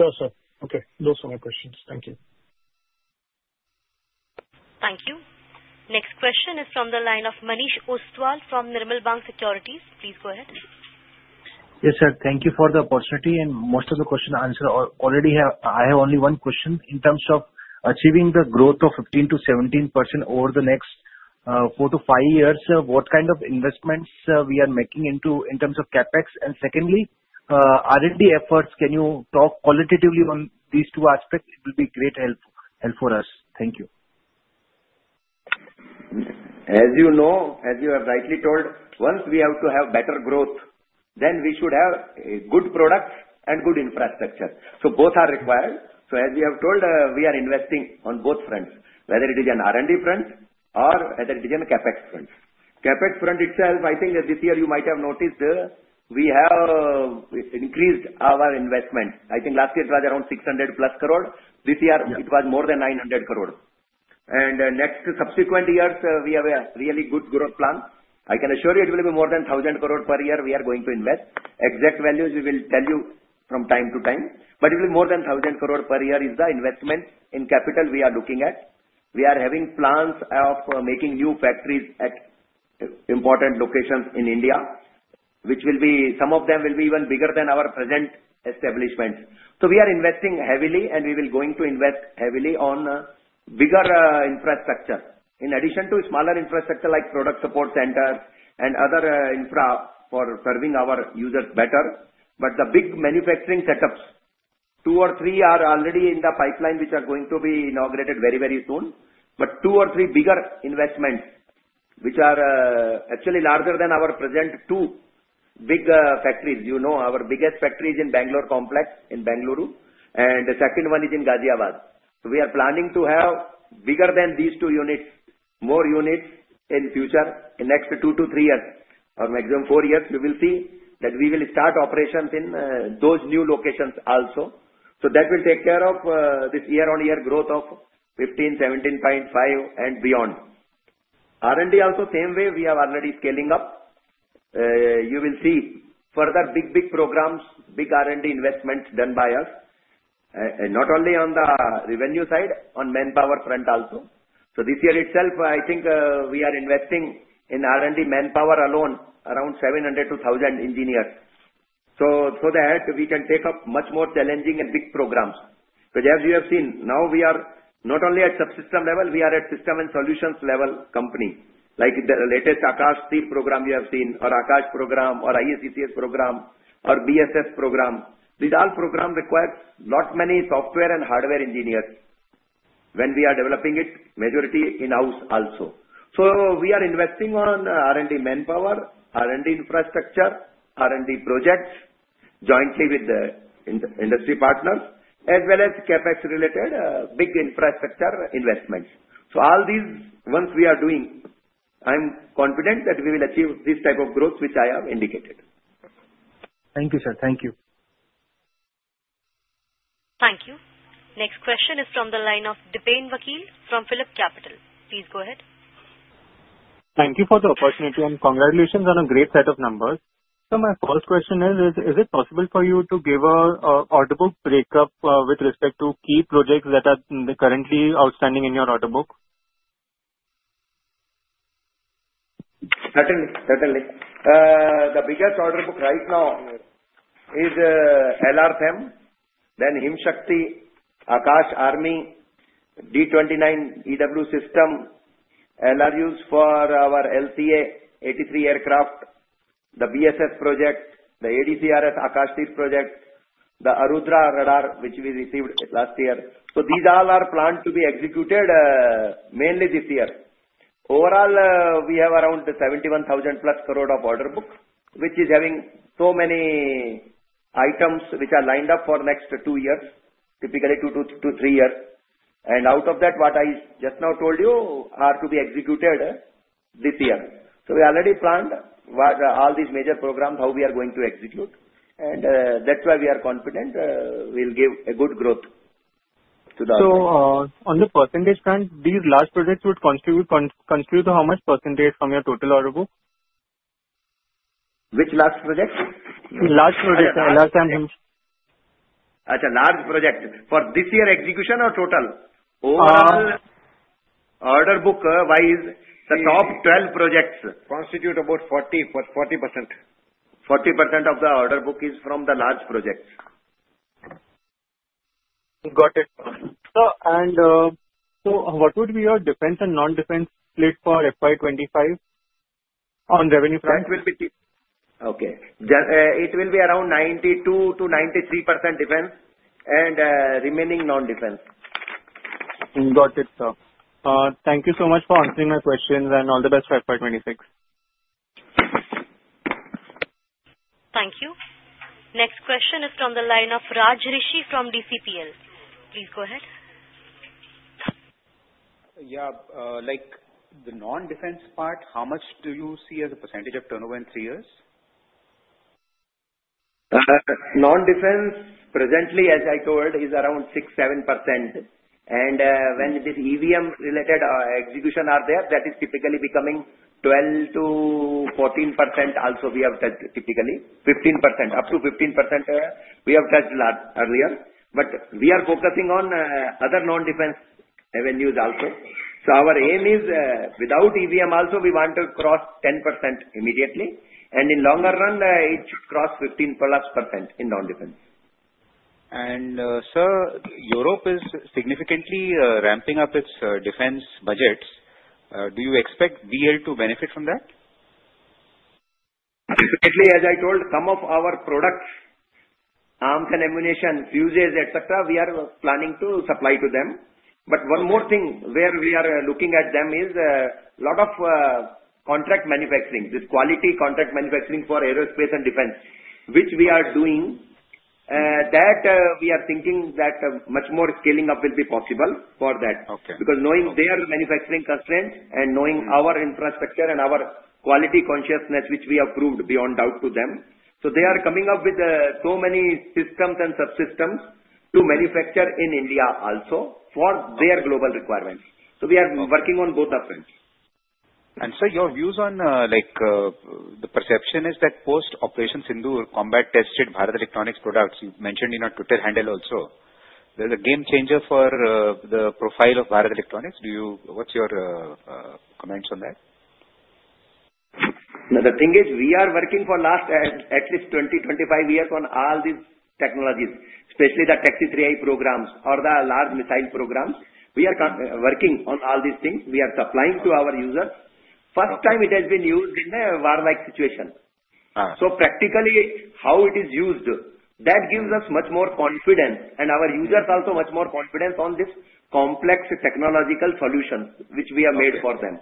No sir. Okay, those are my questions. Thank you. Thank you. Next question is from the line of Manish Ostwal from Nirmal Bang Securities. Please go ahead. Yes sir. Thank you for the opportunity and most of the question answer already have. I have only one question in terms of achieving the growth of 15%-17% over the next four to five years what kind of investments we are making into in terms of CapEx and secondly R&D efforts. Can you talk qualitatively on these two aspects? It will be great help for us. Thank you. As you know, as you have rightly told, once we have to have better growth, then we should have good products and good infrastructure. Both are required. As we have told, we are investing on both fronts, whether it is an R&D front or whether it is in CapEx front. CapEx front itself, I think this year you might have noticed we have increased our investment. I think last year it was around 600 crore. This year it was more than 900 crore, and next subsequent years we have a really good growth plan. I can assure you it will be more than 1,000 crore per year. We are going to invest. Exact values we will tell you from time to time, but it will be more than 1,000 crore per year is the investment in capital we are looking at. We are having plans of making new factories at important locations in India which will be, some of them will be even bigger than our present establishments. We are investing heavily and we will going to invest heavily on bigger infrastructure in addition to smaller infrastructure like product support centers and other infrastructure for serving our users better. The big manufacturing setups, two or three are already in the pipeline which are going to be inaugurated very very soon. Two or three bigger investments which are actually larger than our present two big factories. You know our biggest factory is in Bengaluru complex and the second one is in Ghaziabad. We are planning to have bigger than these two units, more units in future. In the next two to three years or maximum four years, we will see that we will start operations in those new locations also. That will take care of this year-on-year growth of 15%-17.5% and beyond. R&D also, same way, we are already scaling up. You will see further big, big programs, big R&D investments done by us, not only on the revenue side, on the manpower front also. This year itself, I think we are investing in R&D manpower alone, around 700-1,000 engineers, so that we can take up much more challenging and big programs. Because as you have seen now we are not only at subsystem level, we are at system and solutions level. Company like the latest Akash S program you have seen or Akash program or IECCS program or BSS program. These all program requests. Not many software and hardware engineers when we are developing it, majority in house also. We are investing on R&D manpower, R&D infrastructure, R&D projects jointly with the industry partners as well as CapEx related big infrastructure investments. All these ones we are doing. I am confident that we will achieve this type of growth which I have indicated. Thank you sir. Thank you. Thank you. Next question is from the line of Dipen Vakil from PhilipCapital. Please go ahead. Thank you for the opportunity and congratulations on a great set of numbers. My first question is, is it possible for you to give an order book breakup with respect to key projects that are currently outstanding in your order book? Certainly. Certainly the biggest order book right now is LRSAM. Then Himshakti Akash Army D29 EW system LRUs for our LCA 83 aircraft, the BSS project, the ADCRS Akashtis project, the Arudra radar which we received last year. These all are planned to be executed mainly this year. Overall we have around 71,000 crore plus of order book which is having so many items which are lined up for the next two years, typically two to three years. Out of that, what I just now told you are to be executed this year. We already planned all these major programs, how we are going to execute, and that's why we are confident we will give a good growth. On the percentage front, these large projects would constitute how much % from your total order book. Which. Last project. At a large project for this year execution or total? Order book wise, the top 12 projects constitute about 40%. 40% of the order book is from the large projects. Got it sir. What would be your defense and non defense slate for FY2025 on revenue? It will be around 92%-93% defense and remaining non defense. Got it sir, thank you so much for answering my questions and all the best for FY26. Thank you. Next question is from the line of Raj Rishi from DCPL. Please go ahead. Yeah, like the non defense part, how much do you see as a percentage of turnover in three years? Non defense presently as I told is around 6%, 7% and when this EVM related execution are there that is typically becoming 12%-14% also we have touched typically 15% up to 15% we have touched earlier but we are focusing on other non defense avenues also. Our aim is without EVM also we want to cross 10% immediately and in longer run it should cross 15+% in non defense. Sir, Europe is significantly ramping up its defense budgets. Do you expect BEL to benefit from that? As I told, some of our products, arms and ammunition fuses, etc. we are planning to supply to them. One more thing where we are looking at them is a lot of contract manufacturing. This quality contract manufacturing for aerospace and defense which we are doing, we are thinking that much more scaling up will be possible for that because knowing their manufacturing constraints and knowing our infrastructure and our quality consciousness, which we have proved beyond doubt to them. They are coming up with so many systems and subsystems to manufacture in India also for their global requirements. We are working on both up fronts. Sir, your views on, like, the perception is that post Operation Sindhu combat. Tested Bharat Electronics products. You mentioned in your Twitter handle also. There's a game changer for the profile of Bharat Electronics. Do you, what's your comments on that? The thing is we are working for at least 20-25 years on all these technologies, especially the Tech3i programs or the large missile programs. We are working on all these things, we are supplying to our users. First time it has been used in a war-like situation. Practically how it is used, that gives us much more confidence and our users also much more confidence on this complex technological solution which we have made for them.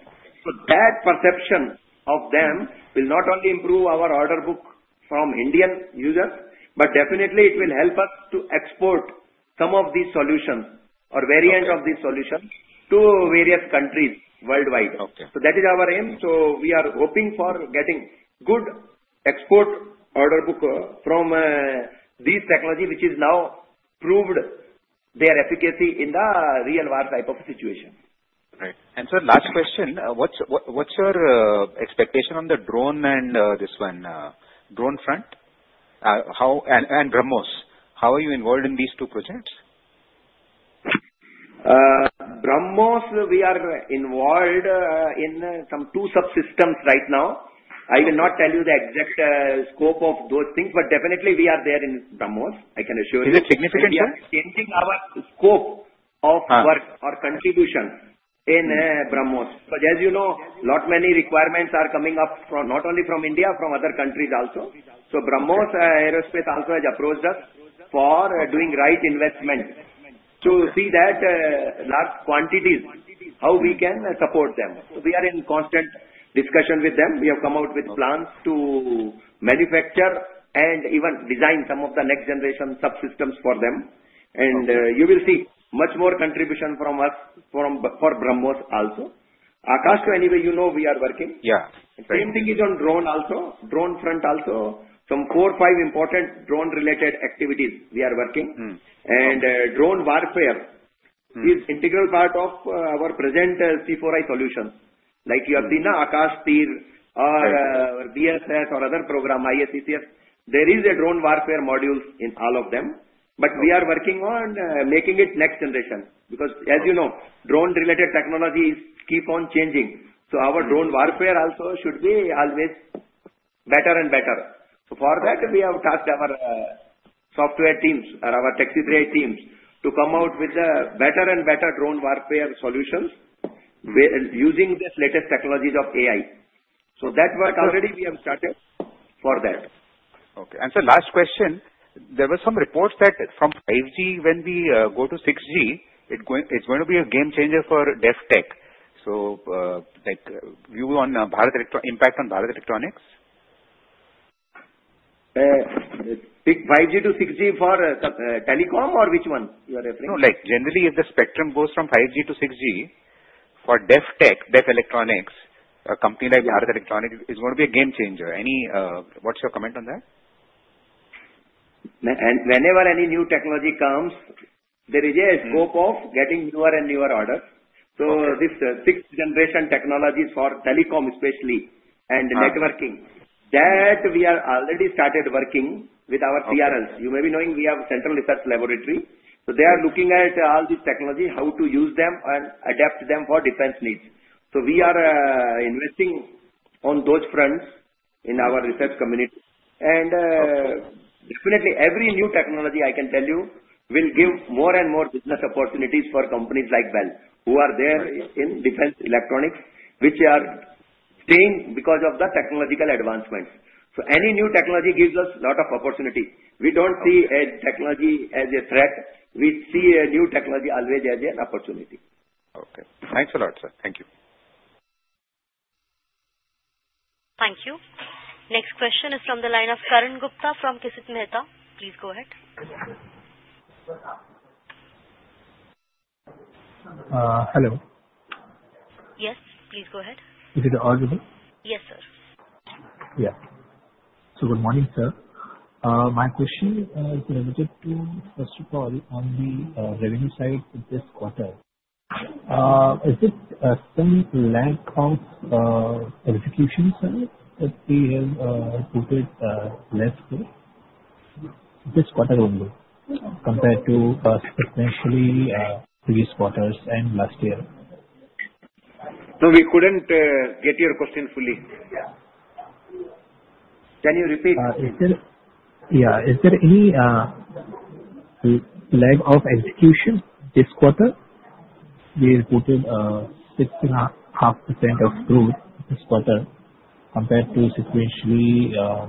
That perception of them will not only improve our order book from Indian users but definitely it will help us to export some of these solutions or variants of these solutions to various countries worldwide. That is our aim. We are hoping for getting good export order booker from these technology which has now proved their efficacy in the real world type of situation. Right. Last question. What's your expectation on the drone and this one drone front? How and BrahMos, how are you involved in these two projects? BrahMos, we are involved in some two subsystems right now. I will not tell you the exact scope of those things, but definitely we are there in BrahMos, I can assure you. Is it significant, sir, changing our scope of work or contribution in BrahMos? As you know, lot many requirements are coming up, not only from India, from other countries also. So BrahMos Aerospace also has approached us for doing right investment to see that large quantities, how we can support them. We are in constant discussion with them. We have come out with plans to manufacture and even design some of the next generation subsystems for them, and you will see much more contribution from us for BrahMos also. Akash, anyway, you know we are working. Yeah. Same thing is on drone also. Drone front also some 45 important drone related activities we are working and drone warfare is integral part of our present C4I solutions like you have been Akash or BSS or other program ISCPs there is a drone warfare modules in all of them. We are working on making it next generation because as you know drone related technologies keep on changing, so our drone warfare also should be always better and better. For that we have tasked our software teams or our taxi drive teams to come out with the better and better drone warfare solutions using this latest technologies of AI. That what already we have started for that. Okay and the last question there were. Some reports that from 5G when we go to 6G it is going to. Be a game changer for dev tech. Like view on Bharat impact on. Bharat electronics. Pick 5G to 6G for telecom or which one you are referring? Like generally if the spectrum goes from 5G to 6G for Dev Tech Def Electronics, a company like Bharat Electronics, is going to be a game changer. What's your comment on that? Whenever any new technology comes there is a scope of getting newer and newer orders. Sixth-generation technologies for telecom especially and networking that we are already started working with our CRLs, you may be knowing we have Central Research Laboratory, so they are looking at all this technology, how to use them and adapt them for defense needs. We are investing on those fronts in our research community. Definitely every new technology, I can tell you, will give more and more business opportunities for companies like Bharat Electronics who are there in defense electronics, which are staying because of the technological advancements. Any new technology gives us a lot of opportunity. We do not see technology as a threat, we see a new technology always as an opportunity. Okay, thanks a lot, sir. Thank you. Thank you. Next question is from the line of Karan Gupta from Kshitij Mehta. Please go ahead. Hello. Yes. Please go ahead. Is it audible? Yes, sir. Yeah. So. Good morning. Sir, my question is limited to first of all on the revenue side this quarter, is it some lack of qualification side that we have put it less this quarter only compared to especially previous quarters and last year? No, we couldn't get your question fully. Can you repeat? Yeah. Is there any lag of execution this quarter? They reported 6.5% of growth this quarter compared to sequentially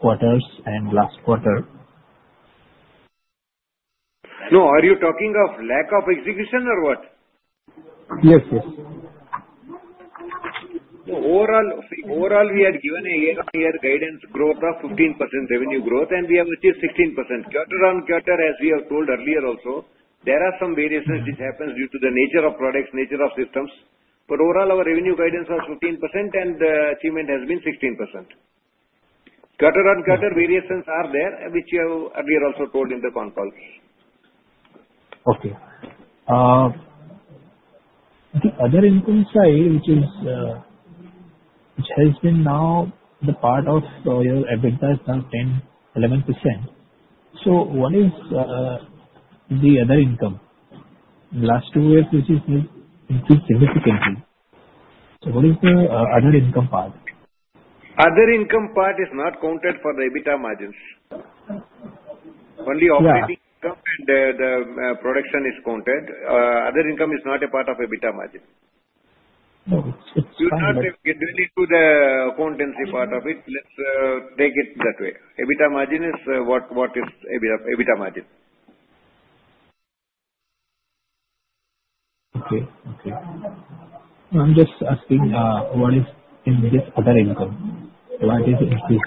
quarters and last quarter. No. Are you talking of lack of execution or what? Yes. Yes. Overall, we had given a year guidance growth of 15%, revenue growth and we have achieved 16% quarter-on-quarter. As we have told earlier year also, there are some variations which happens due to the nature of products, nature of systems. Overall, our revenue guidance was 15% and achievement has been 16% cuter on cutter variations are there which you have earlier also told in the conf calls. Okay. The other income side which is which has been now the part of SP has done 10%-11%. What is the other income? Last two years which is increased significantly. What is the other income part? Other income part is not counted for the EBITDA margins only and the production is counted. Other income is not a part of a beta margin into the accountancy part of it. Let's take it that way. EBITDA margin is what? What is EBITDA margin? Okay. Okay. I'm just asking what is in this other income? What is other income?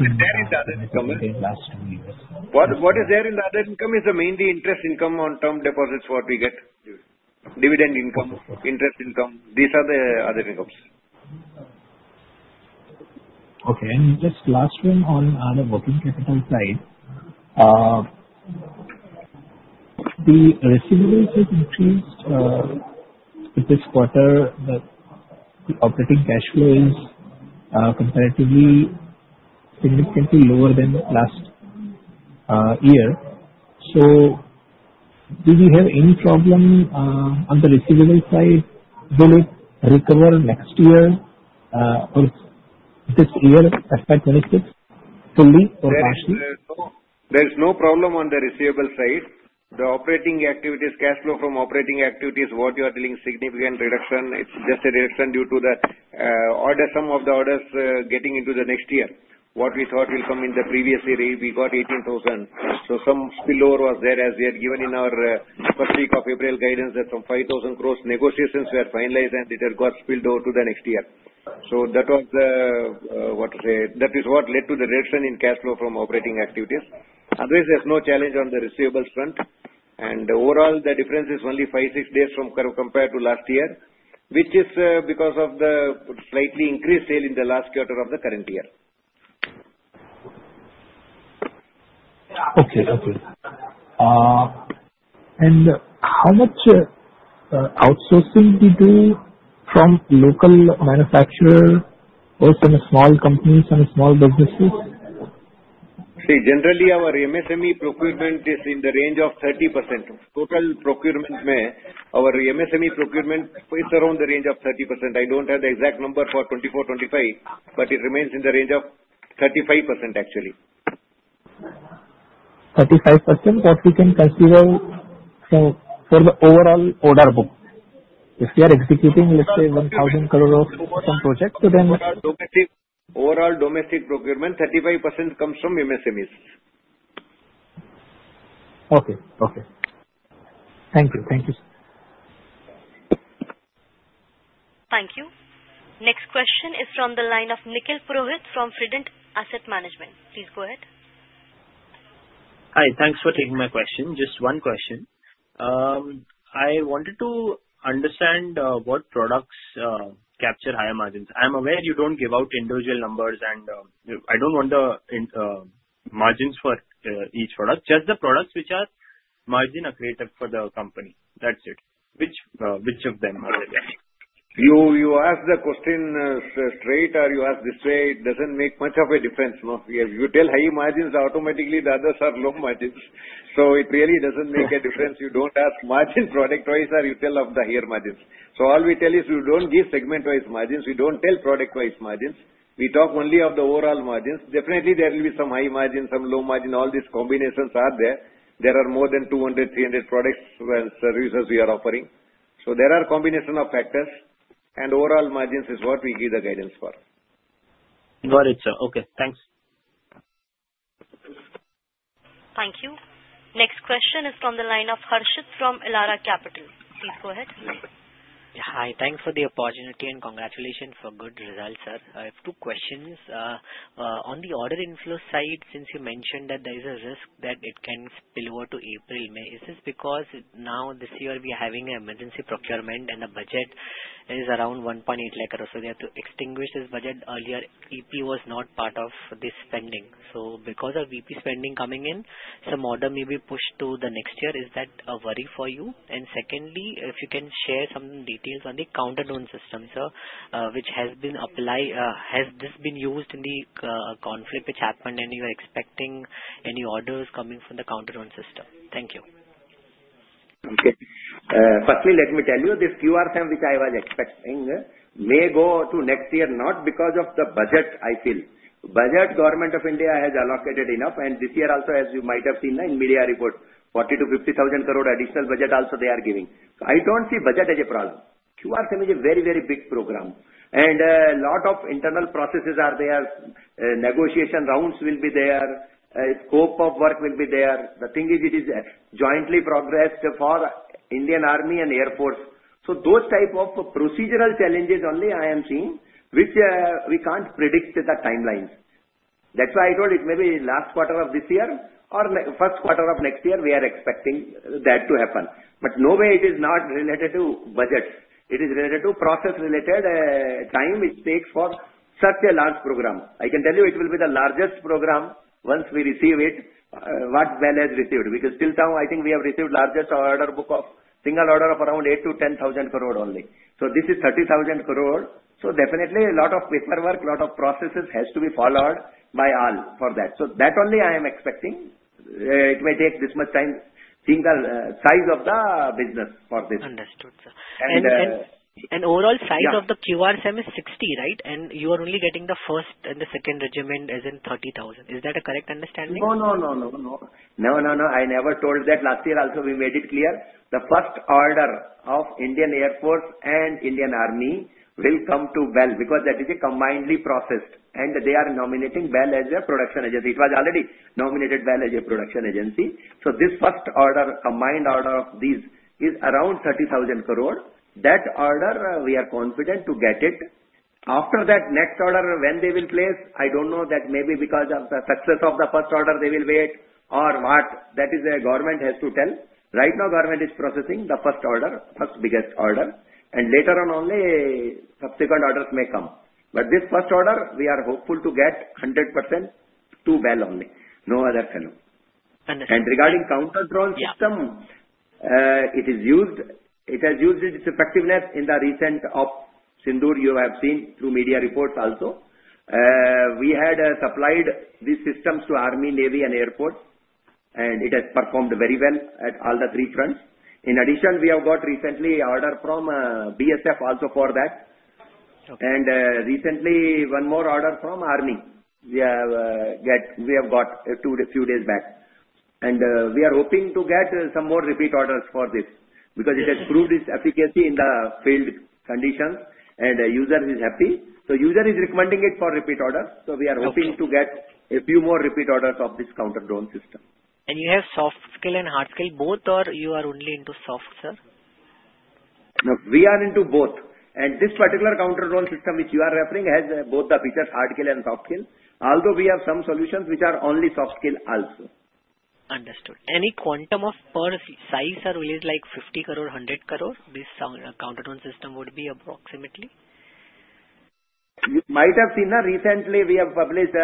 Last two years. What is there in the other income is the mainly interest income on term deposits. What we get dividend income, interest income. These are the other incomes. Okay. Just last one, on the working capital side, the receivables have increased this quarter. The operating cash flow is comparatively significantly lower than last year. Do we have any problem? The receivable side, will it recover next year or this year? FY 2026 fully or partially? There's no problem on the receivable side. The operating activities, cash flow from operating activities. What you are telling significant reduction. It's just a reduction due to the order. Some of the orders getting into the next year what we thought will come in the previous year we got 18,000. So some spillover was there as we had given in our first week of April guidance that some 5,000 crores negotiations were finalized and it had got spilled. Over to the next year. That is what led to the reduction in cash flow from operating activities. Otherwise there's no challenge on the receivables front. Overall, the difference is only 5-6 days compared to last year, which is because of the slightly increased sale in the last quarter of the current year. Okay. Okay. How much outsourcing do we do from local manufacturers or some small companies and small businesses? Generally our MSME procurement is in the range of 30% total procurement may. Our MSME procurement is around the range of 30%. I don't have the exact number for 2024, 2025 but it remains in the range of 35%. Actually. 35%. What we can consider from for the overall order book. If we are executing let's say 1,000 some project then. Overall domestic procurement 35% comes from MSMEs. Okay. Okay. Thank you. Thank you sir. Thank you. Next question is from the line of Nikhil Purohit from Fident Asset Management. Please go ahead. Hi. Thanks for taking my question. Just one question. I wanted to understand what products capture higher margins. I am aware you don't give out individual numbers and I do not want the margins for each product, just the products which are margin accretive for the company. That is it. Which of them? You ask the question straight or you ask this way. It doesn't make much of a difference. You tell high margins automatically. The others are low margins. So it really doesn't make a difference. You don't ask margin product wise or you tell of the here margins. All we tell is you don't. Give segment wise margins. We do not tell product wise margins. We talk only of the overall margins. Definitely there will be some high margin, some low margin. All these combinations are there. There are more than 200-300 products and services we are offering. So there are combination of factors and overall margins is what we give the guidance for. Got it sir. Okay. Thanks. Thank you. Next question is from the line of Harshit from Elara Capital. Please go ahead. Hi. Thanks for the opportunity and congratulations for good results. Sir, I have two questions on the order inflow side. Since you mentioned that there is a risk that it can spill over to April or May. Is this because now this year we are having emergency procurement and the budget is around 1.8 lakh crore? So they have to extinguish this budget. Earlier EP was not part of this spending. So because of EP spending coming in, some order may be pushed to the next year. Is that a worry for you? Secondly, if you can share some details on the Counter Drone System, sir, which has been applied. Has this been used in the conflict which happened and are you expecting any orders coming from the Counter Drone System? Thank you. Firstly let me tell you this QRSAM which I was expecting may go to next year not because of the budget. I feel budget Government of India has allocated enough and this year also as you might have seen in media reports 40,000-50,000 crore additional budget also they are giving. I do not see budget as a problem. QRSM is a very very big program and a lot of internal processes are there. Negotiation rounds will be there, scope of work will be there. The thing is it is jointly progressed for Indian Army and Air Force. Those types of procedural challenges only I am seeing which we cannot predict the timelines, that is why I told it may be last quarter of this year or first quarter of next year. We are expecting that to happen. No, it is not related to budget. It is related to process, related to the time it takes for such a large program. I can tell you it will be the largest program once we receive it. What Bharat Electronics has received, because till now I think we have received the largest order book of a single order of around 8,000-10,000 crore only. This is 30,000 crore. Definitely, a lot of paperwork, a lot of processes have to be followed by all for that. That is why I am expecting it may take this much time. Single size of the business for this. Understood. Overall size of the QRSAM is 60, right? You are only getting the first and the second regiment as in 30,000. Is that a correct understanding? No, I never told that. Last year also we made it clear the first order of Indian Air Force and Indian Army will come to BEL because that is a combinedly processed and they are nominating BEL as their production agency. It was already nominated BEL as a production agency. This first combined order of these is around 30,000 crore. That order we are confident to get. After that, next order, when they will place, I do not know. That may be because of the success of the first order, they will wait or what, that the government has to tell. Right now, government is processing the first order, first biggest order, and later on only subsequent orders may come. This first order we are hopeful to get 100% to BEL only, no other fellow. Regarding counter drone system, it is used. It has used its effectiveness in the recent Operation Sindoor. You have seen through media reports also, we had supplied these systems to army, Navy, and airports, and it has performed very well at all the three fronts. In addition, we have got recently order from BSF also for that, and recently one more order from army. We have got a few days back, and we are hoping to get some more repeat orders for this because it has proved its efficacy in the field conditions, and user is happy, so user is recommending it for repeat order. We are hoping to get a few more repeat orders of this counter drone system. Do you have soft skill and hard skill both or are you only into soft, sir? No, we are into both and this particular counter drone system which you are referring has both the features, hard kill and soft kill. Although we have some solutions which are only soft kill also. Understood any quantum. Of per size or release like 50 crore, 100 crore, this counted on system. Would be approximately. You might have. Seen a recently we have published.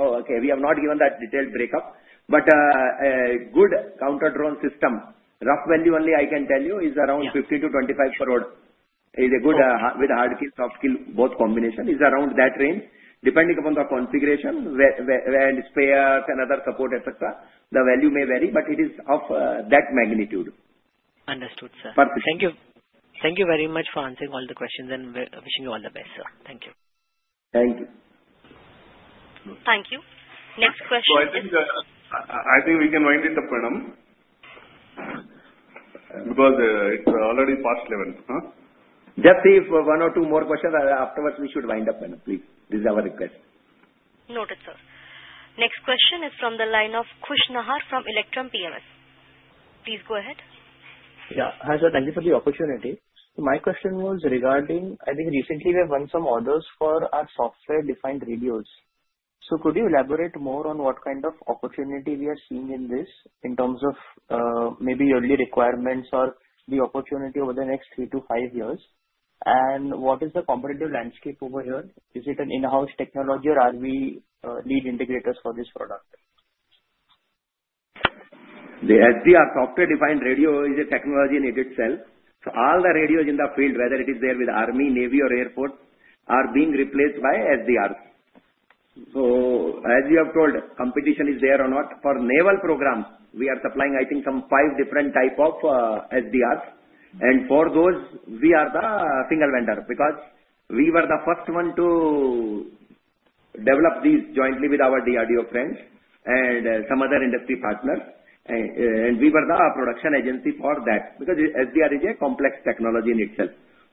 Oh okay. We have not given that detailed breakup but a good Counter Drone System rough value only I can tell you is around 25 crore-50 crore is a good with hard kill soft kill both combination is around that range depending upon the configuration and spares and other support etc the value may vary but it is of that magnitude. Understood sir. Thank you. Thank you very much for answering all the questions and wishing you all the best sir. Thank you. Thank you. Thank you. Next question. I think we can wind it up enough. Because it's already past 11. Just if one or two more questions afterwards we should wind up, please. This is our request. Noted sir. Next question is from the line of Kushnahar from Electrum PMS. Please go ahead. Yeah hi sir, thank you for the opportunity. My question was regarding. I think recently we have won some orders for our software defined radios. Could you elaborate more on what? Kind of opportunity we are seeing in this in terms of maybe early requirements or the opportunity over the next three to five years. What is the competitive landscape over here? Is it an in-house technology or. Are we lead integrators for this product? The SDR, software defined radio, is a technology in IT itself. All the radios in the field, whether it is there with Army, Navy, or airport, are being replaced by SDR. As you have told, competition is there or not. For naval program, we are supplying, I think, some five different types of SDRs, and for those, we are the single vendor because we were the first one to develop these jointly with our DRDO friends and some other industry partners, and we were the production agency for that because SDR is a complex technology in itself.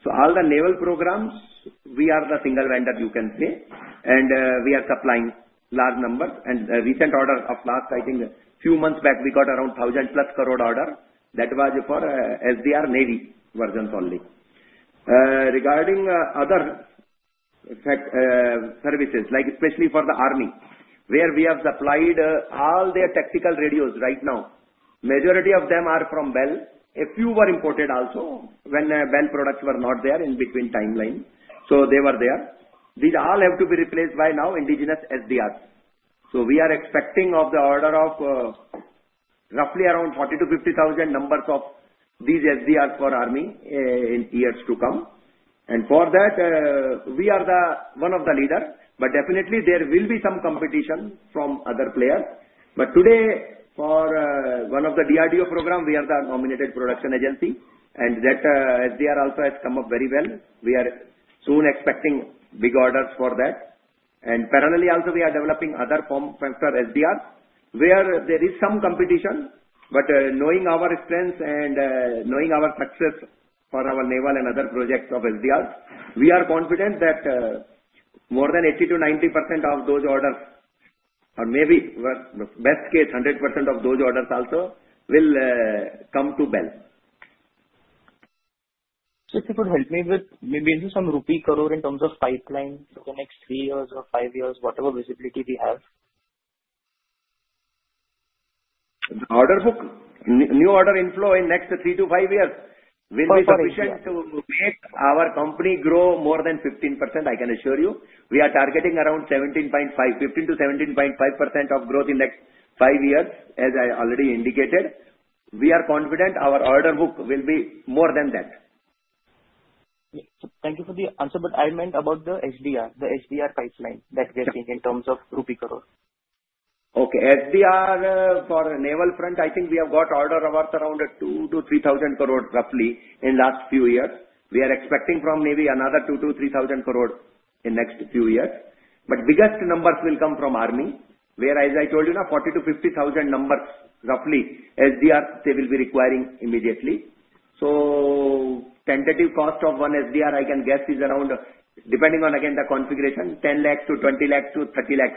All the naval programs, we are the single vendor, you can say, and we are supplying large numbers, and recent order of last, I think, few months back, we got around 1,000 crore plus order. That was for SDR Navy versions only. Regarding other services like especially for the army where we have supplied all their tactical radios right now majority of them are from BEL. A few were imported also when BEL products were not there in between timeline so they were there. These all have to be replaced by now Indigenous SDRs. We are expecting of the order of roughly around 40,000-50,000 numbers of these SDRs for army in years to come. For that we are one of the leader. There will be some competition from other players. Today for one of the DRDO program we are the nominated production agency. That SDR also has come up very well. We are soon expecting big orders for that. Parallel also we are developing other form factor SDR where there is some competition. Knowing our strengths and knowing our success for our naval and other projects of SDR, we are confident that more than 80-90% of those orders, or maybe best case 100% of those orders also, will come to BEL. If you could help me with. Maybe some rupee crore in terms of pipeline the next three years or five years. Whatever visibility we have. New order inflow in next three to five years will be sufficient to make our company grow more than 15%. I can assure you we are targeting around 17.5%. 15%-17.5% of growth in next five years. As I already indicated, we are confident our order book will be more than that. Thank you for the answer but I meant about the SDR. The SDR priceline that we are seeing. In terms of rupee crore. Okay. SDR for naval front. I think we have got order worth around 2,000-3,000 crore roughly in last few years. We are expecting from maybe another 2,000-3,000 crore in next few years. The biggest numbers will come from army where as I told you now 40,000-50,000 numbers roughly SDR they will be requiring immediately. Tentative cost of 1 SDR I can guess is around, depending on again the configuration, [1,000,000 to 2,000,000 to 3,000,000.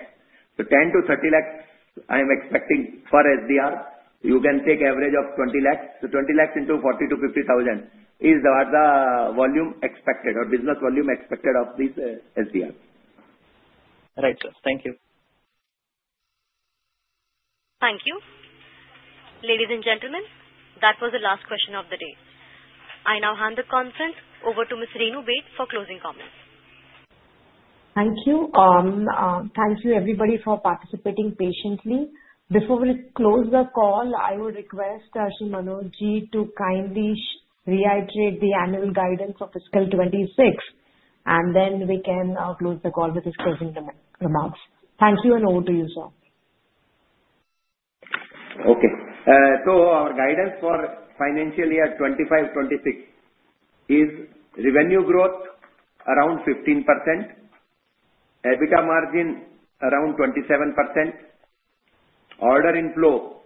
1,000,000-3,000,000] I am expecting for SDR, you can take average of 2,000,000. 2,000,000 into 40,000-50,000 is the volume expected or business volume expected of this SDR. Right sir. Thank you. Thank you ladies and gentlemen. That was the last question of the day. I now hand the conference over to Ms. Renu Baid for closing comments. Thank you. Thank you everybody for participating patiently. Before we close the call, I would. Request Manoj Jain to kindly reiterate the annual guidance of fiscal 2026. Then we can close the call with his closing remarks. Thank you. Over to you, sir. Okay, so our guidance for financial year 2025-2026 is revenue growth around 15%. EBITDA margin around 27%. Order inflow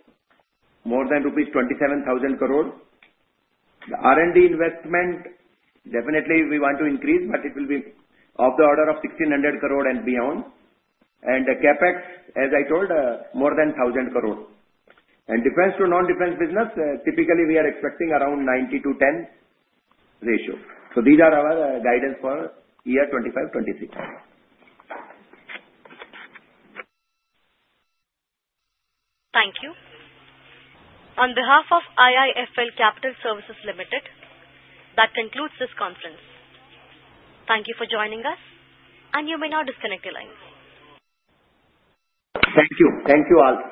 more than rupees 27,000 crore. The R&D investment definitely we want to increase. But it will be of the order of 1,600 crore and beyond. CapEx as I told, more than 1,000 crore. Defense to non-defense business typically we are expecting around 90-10 ratio. These are our guidance for year 2025-2026. Thank you. On behalf of IIFL Capital Services Limited, that concludes this conference. Thank you for joining us. You may now disconnect your lines. Thank you. Thank you all.